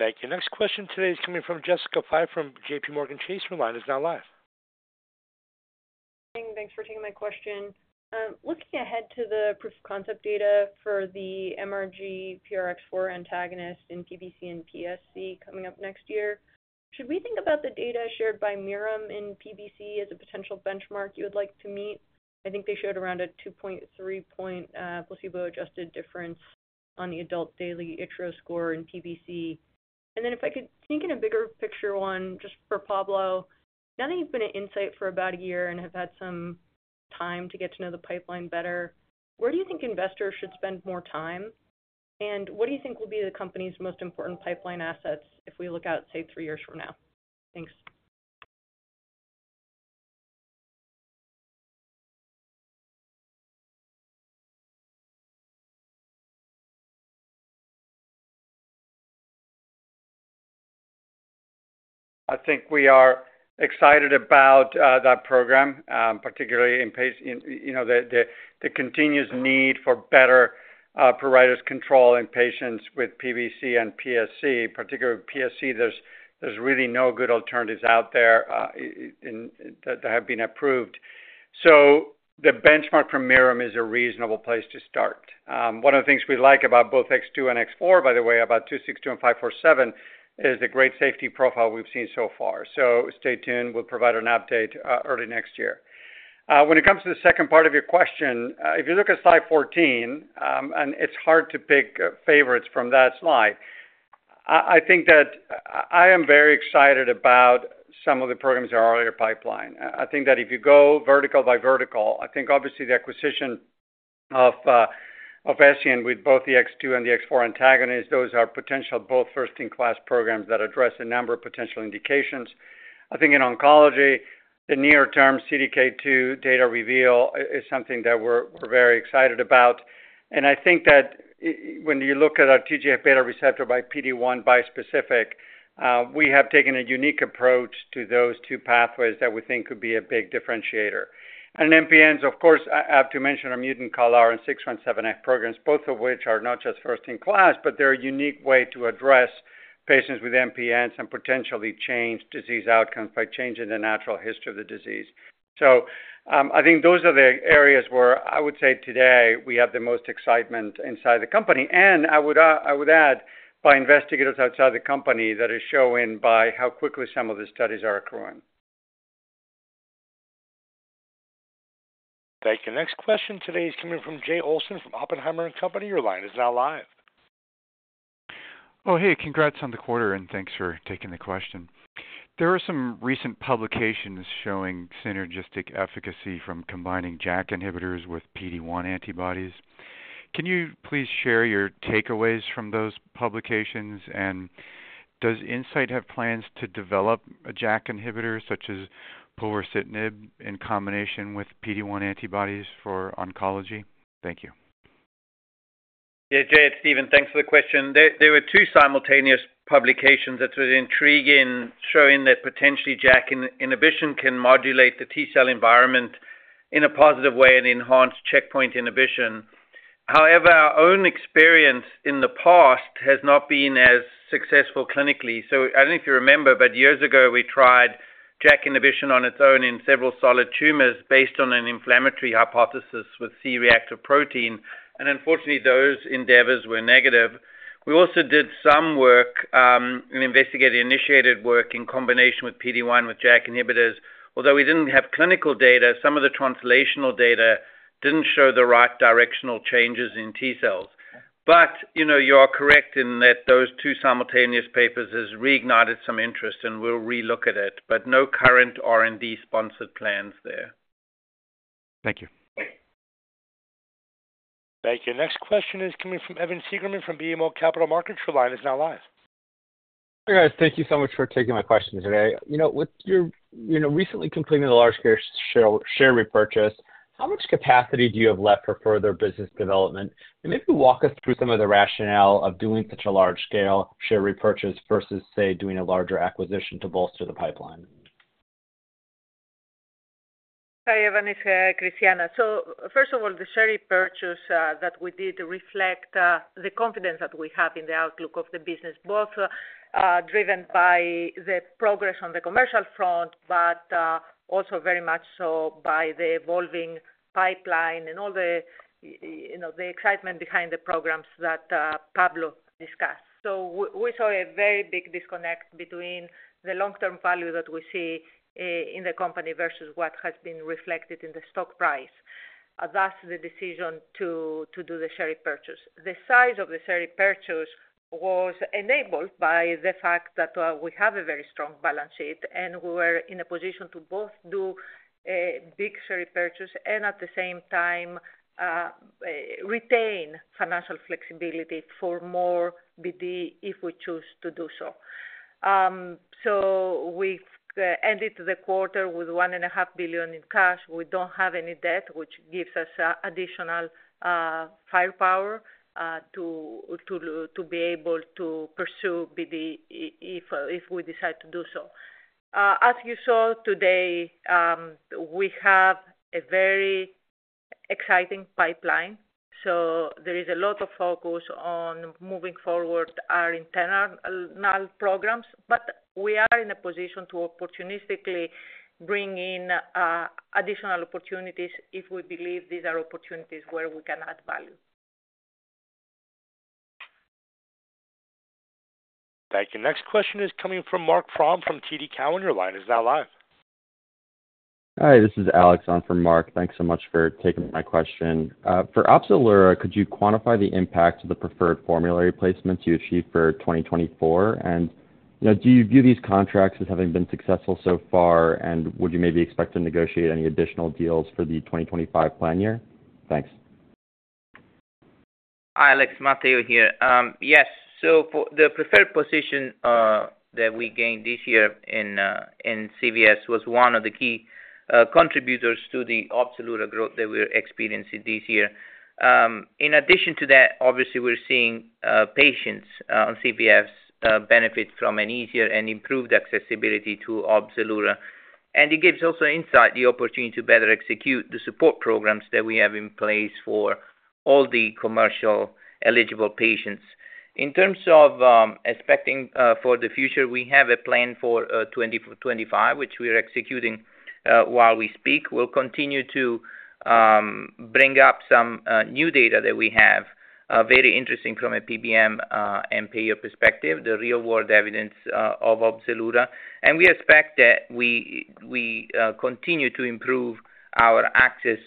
Thank you. Our next question today is coming from Jessica Fye from J.P. Morgan. Your line is now live. Thanks for taking my question. Looking ahead to the proof of concept data for the mRGPRX4 antagonist in PBC and PSC coming up next year, should we think about the data shared by Mirum in PBC as a potential benchmark you would like to meet? I think they showed around a 2.3-point placebo-adjusted difference on the adult daily Itch-RO score in PBC. Then if I could sneak in a bigger picture one just for Pablo, now that you've been at Incyte for about a year and have had some time to get to know the pipeline better, where do you think investors should spend more time? And what do you think will be the company's most important pipeline assets if we look out, say, three years from now? Thanks. I think we are excited about that program, particularly in the continuing need for better pruritus control in patients with PBC and PSC. Particularly PSC, there's really no good alternatives out there that have been approved. So the benchmark from Mirum is a reasonable place to start. One of the things we like about both X2 and X4, by the way, about 262 and 547, is the great safety profile we've seen so far. So stay tuned. We'll provide an update early next year. When it comes to the second part of your question, if you look at slide 14, and it's hard to pick favorites from that slide, I think that I am very excited about some of the programs in our earlier pipeline. I think that if you go vertical by vertical, I think obviously the acquisition of Escient with both the X2 and the X4 antagonist, those are potential both first-in-class programs that address a number of potential indications. I think in oncology, the near-term CDK2 data reveal is something that we're very excited about. And I think that when you look at our TGF-β receptor by PD-1 bispecific, we have taken a unique approach to those two pathways that we think could be a big differentiator. MPNs, of course, I have to mention our mutant CALR and V617F programs, both of which are not just first-in-class, but they're a unique way to address patients with MPNs and potentially change disease outcomes by changing the natural history of the disease. So I think those are the areas where I would say today we have the most excitement inside the company. And I would add by investigators outside the company that is showing by how quickly some of the studies are accruing. Thank you. Our next question today is coming from Jay Olsen from Oppenheimer & Co. Your line is now live. Oh, hey. Congrats on the quarter. And thanks for taking the question. There are some recent publications showing synergistic efficacy from combining JAK inhibitors with PD-1 antibodies. Can you please share your takeaways from those publications? Does Incyte have plans to develop a JAK inhibitor such as povorcitinib in combination with PD-1 antibodies for oncology? Thank you. Yeah. Jay, Steven, thanks for the question. There were two simultaneous publications that were intriguing showing that potentially JAK inhibition can modulate the T cell environment in a positive way and enhance checkpoint inhibition. However, our own experience in the past has not been as successful clinically. So I don't know if you remember, but years ago, we tried JAK inhibition on its own in several solid tumors based on an inflammatory hypothesis with C-reactive protein. And unfortunately, those endeavors were negative. We also did some work, an investigator-initiated work in combination with PD-1 with JAK inhibitors. Although we didn't have clinical data, some of the translational data didn't show the right directional changes in T cells. But you are correct in that those two simultaneous papers have reignited some interest and we'll relook at it. But no current R&D-sponsored plans there. Thank you. Thank you. Our next question is coming from Evan Seigerman from BMO Capital Markets. Your line is now live. Hi, guys. Thank you so much for taking my question today. With your recently completing the large-scale share repurchase, how much capacity do you have left for further business development? And maybe walk us through some of the rationale of doing such a large-scale share repurchase versus, say, doing a larger acquisition to bolster the pipeline. Hi, Evan and Christiana. So first of all, the share repurchase that we did reflects the confidence that we have in the outlook of the business, both driven by the progress on the commercial front, but also very much so by the evolving pipeline and all the excitement behind the programs that Pablo discussed. So we saw a very big disconnect between the long-term value that we see in the company versus what has been reflected in the stock price. Thus, the decision to do the share repurchase. The size of the share repurchase was enabled by the fact that we have a very strong balance sheet, and we were in a position to both do big share repurchase and at the same time retain financial flexibility for more BD if we choose to do so. So we ended the quarter with $1.5 billion in cash. We don't have any debt, which gives us additional firepower to be able to pursue BD if we decide to do so. As you saw today, we have a very exciting pipeline. So there is a lot of focus on moving forward our internal programs. But we are in a position to opportunistically bring in additional opportunities if we believe these are opportunities where we can add value. Thank you. Our next question is coming from Marc Frahm from TD Cowen, your line. He's now live. Hi. This is Alex. I'm from Marc. Thanks so much for taking my question. For Opzelura, could you quantify the impact of the preferred formulary placements you achieved for 2024? And do you view these contracts as having been successful so far? And would you maybe expect to negotiate any additional deals for the 2025 plan year? Thanks. Hi, Alex. Barry here. Yes. So the preferred position that we gained this year in CVS was one of the key contributors to the Opzelura growth that we're experiencing this year. In addition to that, obviously, we're seeing patients on CVS benefit from an easier and improved accessibility to Opzelura. And it gives also Incyte the opportunity to better execute the support programs that we have in place for all the commercial eligible patients. In terms of expecting for the future, we have a plan for 2025, which we are executing while we speak. We'll continue to bring up some new data that we have, very interesting from a PBM and payer perspective, the real-world evidence of Opzelura. We expect that we continue to improve our access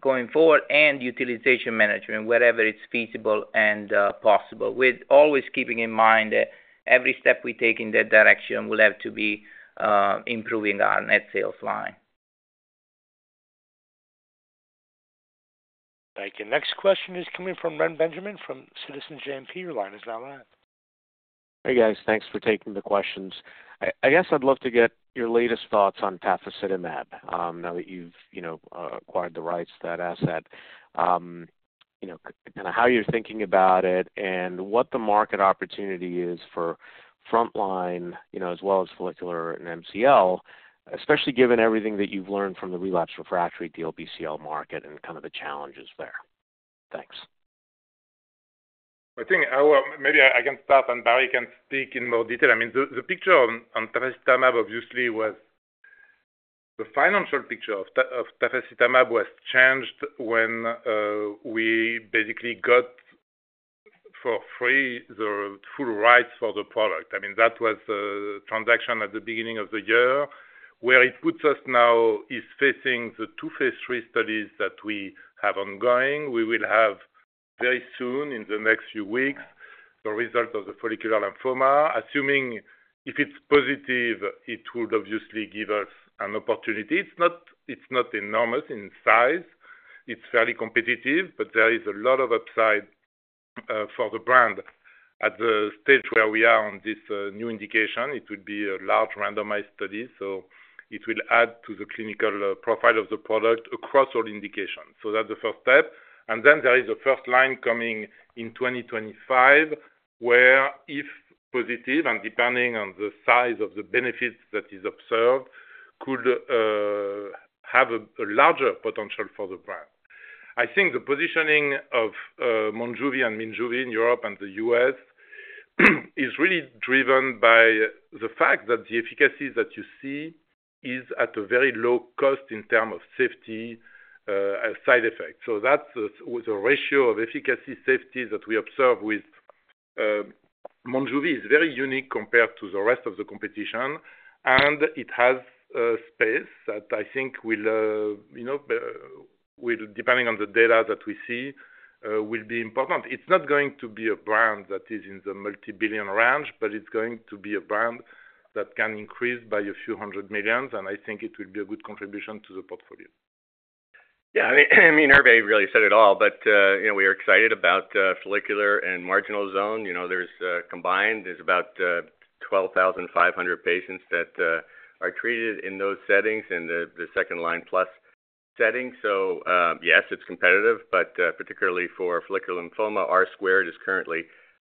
going forward and utilization management wherever it's feasible and possible, with always keeping in mind that every step we take in that direction will have to be improving our net sales line. Thank you. Our next question is coming from Reni Benjamin from Citizens JMP. Your line is now live. Hey, guys. Thanks for taking the questions. I guess I'd love to get your latest thoughts on tafasitamab now that you've acquired the rights to that asset, kind of how you're thinking about it, and what the market opportunity is for frontline as well as follicular and MCL, especially given everything that you've learned from the relapse refractory DLBCL market and kind of the challenges there. Thanks. I think maybe I can start, and Barry can speak in more detail. I mean, the picture on tafasitamab, obviously, was the financial picture of tafasitamab was changed when we basically got for free the full rights for the product. I mean, that was a transaction at the beginning of the year where it puts us now is facing the two phase III studies that we have ongoing. We will have very soon, in the next few weeks, the result of the follicular lymphoma. Assuming if it's positive, it would obviously give us an opportunity. It's not enormous in size. It's fairly competitive, but there is a lot of upside for the brand at the stage where we are on this new indication. It would be a large randomized study. So it will add to the clinical profile of the product across all indications. So that's the first step. Then there is a first line coming in 2025 where if positive and depending on the size of the benefits that is observed could have a larger potential for the brand. I think the positioning of Monjuvi and Minjuvi in Europe and the US is really driven by the fact that the efficacy that you see is at a very low cost in terms of safety side effects. So that's the ratio of efficacy safety that we observe with Monjuvi is very unique compared to the rest of the competition. And it has space that I think will, depending on the data that we see, will be important. It's not going to be a brand that is in the multi-billion range, but it's going to be a brand that can increase by $a few hundred million. And I think it will be a good contribution to the portfolio. Yeah. I mean, I mean, Hervé really said it all. But we are excited about follicular and marginal zone. There's combined, there's about 12,500 patients that are treated in those settings and the second-line plus setting. So yes, it's competitive. But particularly for follicular lymphoma, R-squared is currently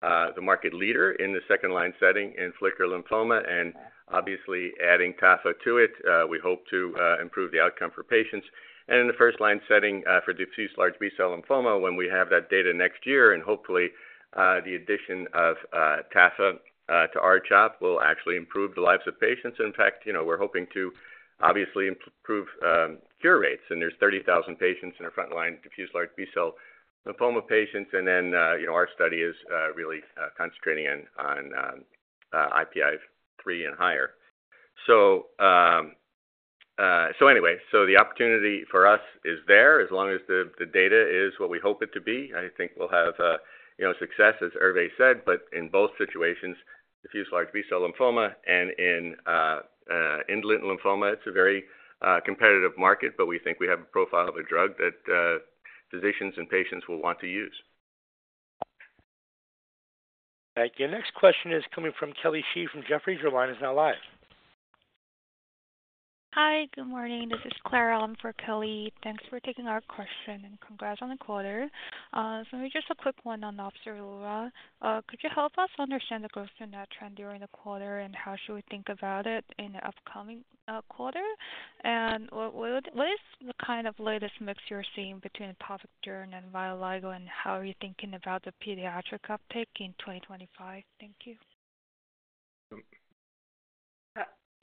the market leader in the second-line setting in follicular lymphoma. And obviously, adding Tafo to it, we hope to improve the outcome for patients. And in the first-line setting for diffuse large B-cell lymphoma, when we have that data next year and hopefully the addition of Tafo to R-CHOP will actually improve the lives of patients. In fact, we're hoping to obviously improve cure rates. And there's 30,000 patients in our frontline, diffuse large B-cell lymphoma patients. And then our study is really concentrating on IPI three and higher. So anyway, so the opportunity for us is there as long as the data is what we hope it to be. I think we'll have success, as Hervé said. But in both situations, diffuse large B-cell lymphoma and in indolent lymphoma, it's a very competitive market. But we think we have a profile of a drug that physicians and patients will want to use. Thank you. Our next question is coming from Kelly Shi from Jefferies. Your line is now live. Hi. Good morning. This is Clara. I'm for Kelly. Thanks for taking our question and congrats on the quarter. So just a quick one on Opzelura. Could you help us understand the growth in that trend during the quarter and how should we think about it in the upcoming quarter? And what is the kind of latest mix you're seeing between atopic dermatitis and vitiligo? How are you thinking about the pediatric uptake in 2025? Thank you.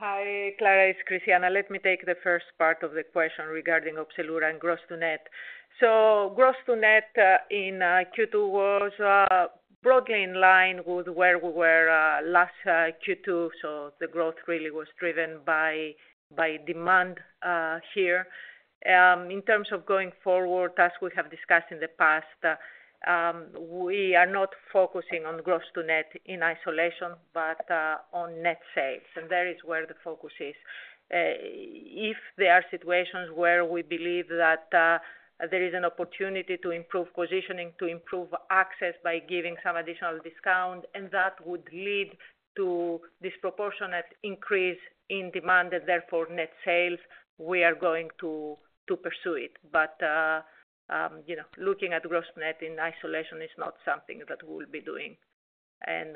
Hi, Clara. It's Christiana. Let me take the first part of the question regarding Opzelura and gross to net. So gross to net in Q2 was broadly in line with where we were last Q2. So the growth really was driven by demand here. In terms of going forward, as we have discussed in the past, we are not focusing on gross to net in isolation, but on net sales. And that is where the focus is. If there are situations where we believe that there is an opportunity to improve positioning, to improve access by giving some additional discount, and that would lead to disproportionate increase in demand and therefore net sales, we are going to pursue it. But looking at growth net in isolation is not something that we'll be doing and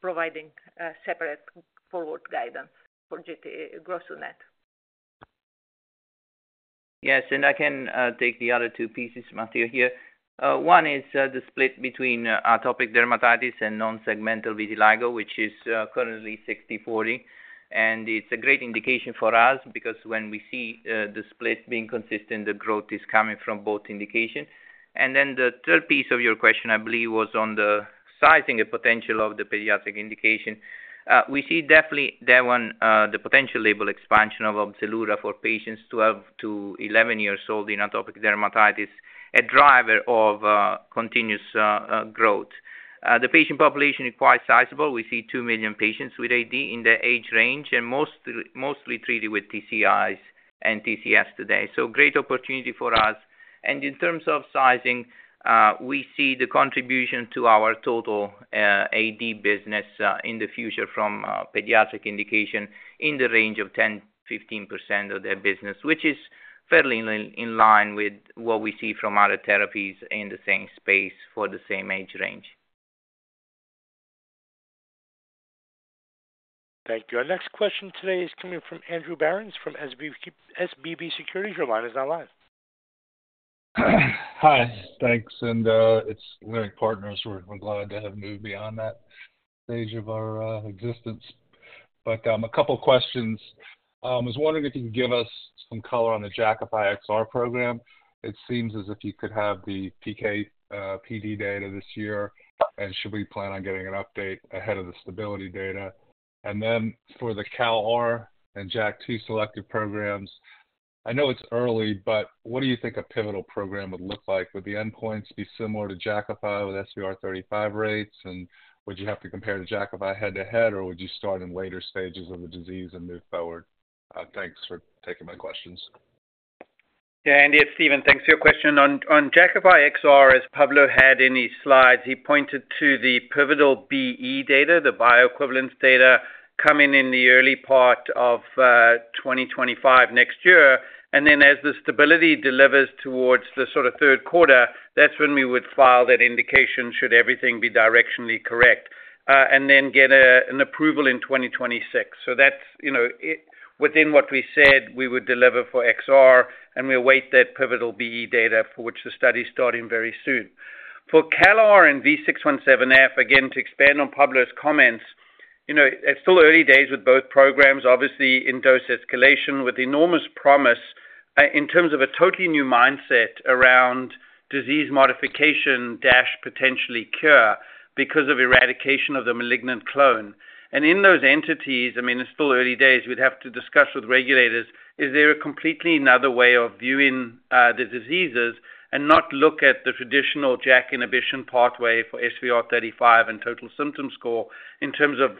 providing separate forward guidance for gross to net. Yes. And I can take the other two pieces, Barry, here. One is the split between atopic dermatitis and non-segmental vitiligo, which is currently 60/40. And it's a great indication for us because when we see the split being consistent, the growth is coming from both indications. And then the third piece of your question, I believe, was on the sizing and potential of the pediatric indication. We see definitely that one, the potential label expansion of Opzelura for patients 2 to 11 years old in atopic dermatitis a driver of continuous growth. The patient population is quite sizable. We see 2 million patients with AD in the age range and mostly treated with TCIs and TCS today. So great opportunity for us. And in terms of sizing, we see the contribution to our total AD business in the future from pediatric indication in the range of 10%-15% of their business, which is fairly in line with what we see from other therapies in the same space for the same age range. Thank you. Our next question today is coming from Andrew Berens from Leerink Partners. Your line is now live. Hi. Thanks. And it's Leerink Partners. We're glad to have moved beyond that stage of our existence. But a couple of questions. I was wondering if you could give us some color on the Jakafi XR program. It seems as if you could have the PK PD data this year. And should we plan on getting an update ahead of the stability data? And then for the CALR and JAK2 selective programs, I know it's early, but what do you think a pivotal program would look like? Would the endpoints be similar to Jakafi with SVR35 rates? And would you have to compare to Jakafi head-to-head, or would you start in later stages of the disease and move forward? Thanks for taking my questions. Yeah. Andy and Steven, thanks for your question. On Jakafi XR, as Pablo had in his slides, he pointed to the pivotal BE data, the bioequivalence data coming in the early part of 2025 next year. And then as the stability delivers towards the sort of third quarter, that's when we would file that indication should everything be directionally correct and then get an approval in 2026. So that's within what we said we would deliver for XR. And we await that pivotal BE data for which the study is starting very soon. For CalR and V617F, again, to expand on Pablo's comments, it's still early days with both programs, obviously in dose escalation with enormous promise in terms of a totally new mindset around disease modification, potentially cure because of eradication of the malignant clone. And in those entities, I mean, it's still early days. We'd have to discuss with regulators, is there a completely another way of viewing the diseases and not look at the traditional JAK inhibition pathway for SVR35 and total symptom score in terms of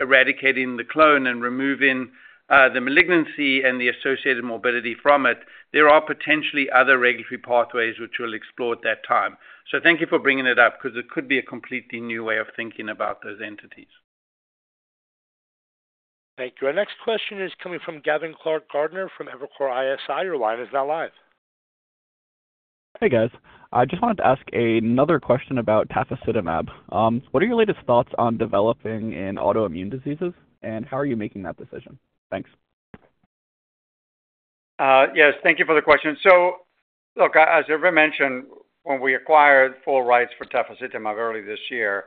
eradicating the clone and removing the malignancy and the associated morbidity from it? There are potentially other regulatory pathways which we'll explore at that time. So thank you for bringing it up because it could be a completely new way of thinking about those entities. Thank you. Our next question is coming from Gavin Clark-Gardner from Evercore ISI. Your line is now live. Hey, guys. I just wanted to ask another question about tafasitamab. What are your latest thoughts on developing in autoimmune diseases? And how are you making that decision? Thanks. Yes. Thank you for the question. So look, as Hervé mentioned, when we acquired full rights for tafasitamab early this year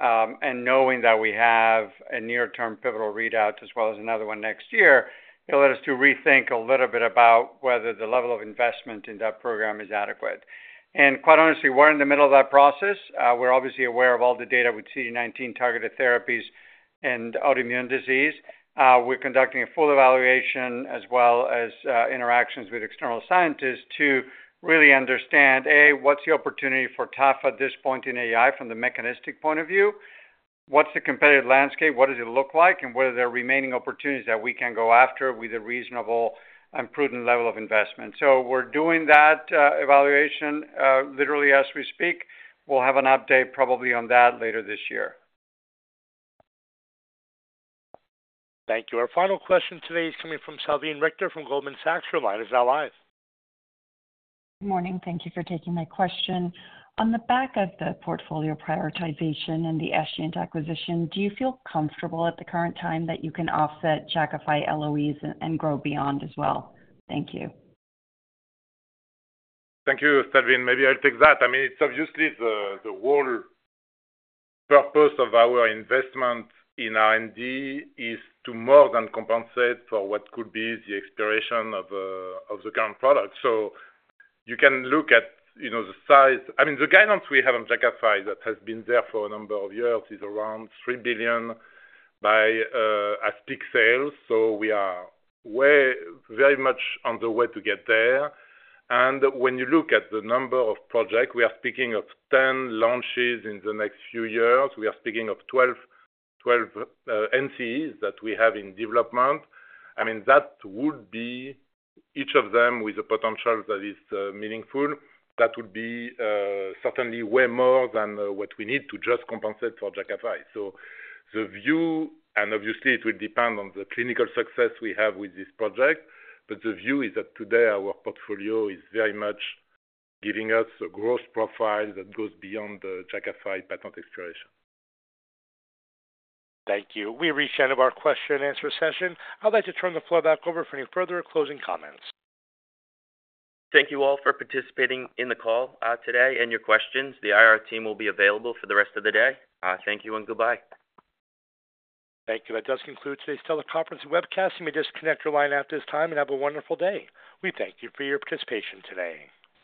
and knowing that we have a near-term pivotal readout as well as another one next year, it led us to rethink a little bit about whether the level of investment in that program is adequate. And quite honestly, we're in the middle of that process. We're obviously aware of all the data with CD19 targeted therapies and autoimmune disease. We're conducting a full evaluation as well as interactions with external scientists to really understand, A, what's the opportunity for tafo at this point in AI from the mechanistic point of view? What's the competitive landscape? What does it look like? And what are the remaining opportunities that we can go after with a reasonable and prudent level of investment? So we're doing that evaluation literally as we speak. We'll have an update probably on that later this year. Thank you. Our final question today is coming from Salveen Richter from Goldman Sachs. Your line is now live. Good morning. Thank you for taking my question. On the back of the portfolio prioritization and the Escient acquisition, do you feel comfortable at the current time that you can offset Jakafi LOEs and grow beyond as well? Thank you. Thank you, Steven. Maybe I'll take that. I mean, it's obviously the whole purpose of our investment in R&D is to more than compensate for what could be the expiration of the current product. So you can look at the size. I mean, the guidance we have on Jakafi that has been there for a number of years is around $3 billion at peak sales. So we are very much on the way to get there. And when you look at the number of projects, we are speaking of 10 launches in the next few years. We are speaking of 12 NCEs that we have in development. I mean, that would be each of them with a potential that is meaningful. That would be certainly way more than what we need to just compensate for Jakafi. So the view, and obviously, it will depend on the clinical success we have with this project. The view is that today our portfolio is very much giving us a growth profile that goes beyond the Jakafi patent expiration. Thank you. We reached the end of our question-and-answer session. I'd like to turn the floor back over for any further closing comments. Thank you all for participating in the call today and your questions. The IR team will be available for the rest of the day. Thank you and goodbye. Thank you. That does conclude today's teleconference and webcast. You may disconnect your line at this time and have a wonderful day. We thank you for your participation today.